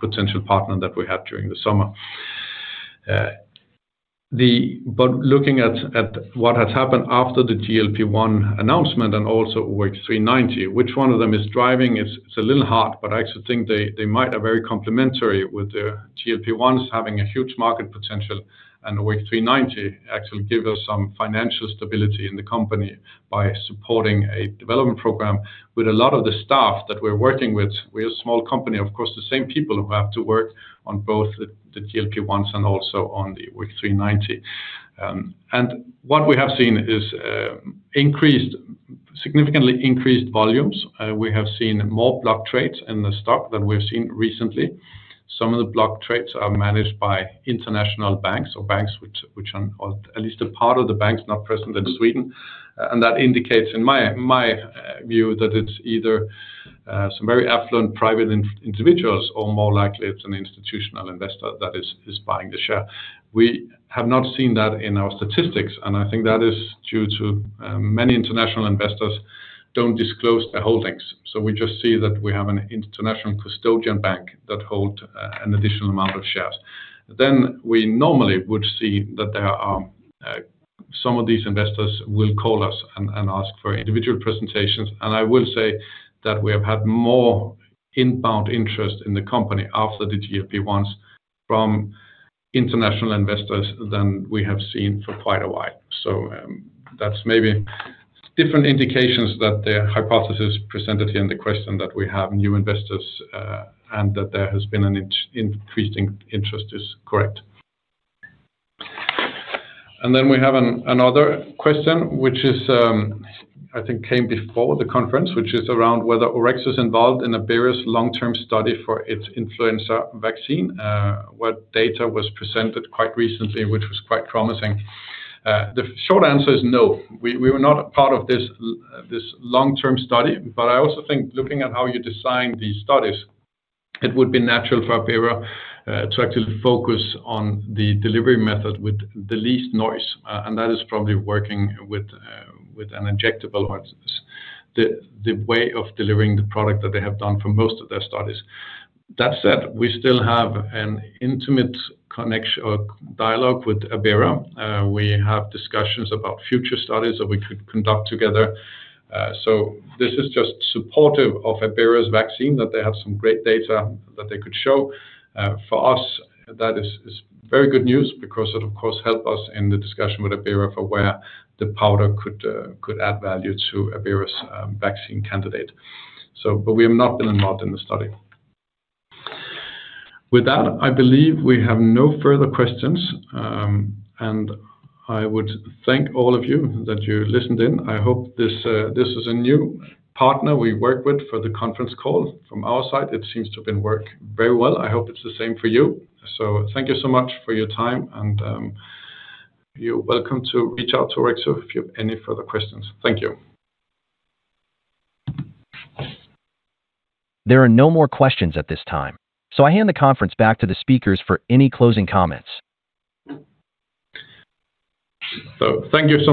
potential partner that we had during the summer. Looking at what has happened after the GLP-1 announcement and also OX390, which one of them is driving, it's a little hard, but I actually think they might be very complementary with the GLP-1s having a huge market potential. OX390 actually gives us some financial stability in the company by supporting a development program with a lot of the staff that we're working with. We're a small company, of course, the same people have to work on both the GLP-1s and also on the OX390. What we have seen is significantly increased volumes. We have seen more block trades in the stock than we've seen recently. Some of the block trades are managed by international banks or banks which are at least a part of the banks, not present in Sweden. That indicates, in my view, that it's either some very affluent private individuals or more likely it's an institutional investor that is buying the share. We have not seen that in our statistics. I think that is due to many international investors not disclosing their holdings. We just see that we have an international custodian bank that holds an additional amount of shares. We normally would see that some of these investors will call us and ask for individual presentations. I will say that we have had more inbound interest in the company after the GLP-1s from international investors than we have seen for quite a while. That's maybe different indications that the hypothesis presented here in the question that we have new investors and that there has been an increasing interest is correct. We have another question, which I think came before the conference, which is around whether Orexo is involved in Abera Bioscience's long-term study for its influenza vaccine. What data was presented quite recently, which was quite promising? The short answer is no. We were not a part of this long-term study. I also think looking at how you design these studies, it would be natural for Abera Bioscience to actually focus on the delivery method with the least noise. That is probably working with an injectable or the way of delivering the product that they have done for most of their studies. That said, we still have an intimate dialogue with Abera Bioscience. We have discussions about future studies that we could conduct together. This is just supportive of Abera Bioscience's vaccine that they have some great data that they could show. For us, that is very good news because it, of course, helps us in the discussion with Abera Bioscience for where the powder could add value to Abera Bioscience's vaccine candidate. We have not been involved in the study. With that, I believe we have no further questions. I would thank all of you that you listened in. I hope this is a new partner we work with for the conference call from our side. It seems to have been working very well. I hope it's the same for you. Thank you so much for your time. You're welcome to reach out to Orexo AB if you have any further questions. Thank you. There are no more questions at this time. I hand the conference back to the speakers for any closing comments. Thank you so much.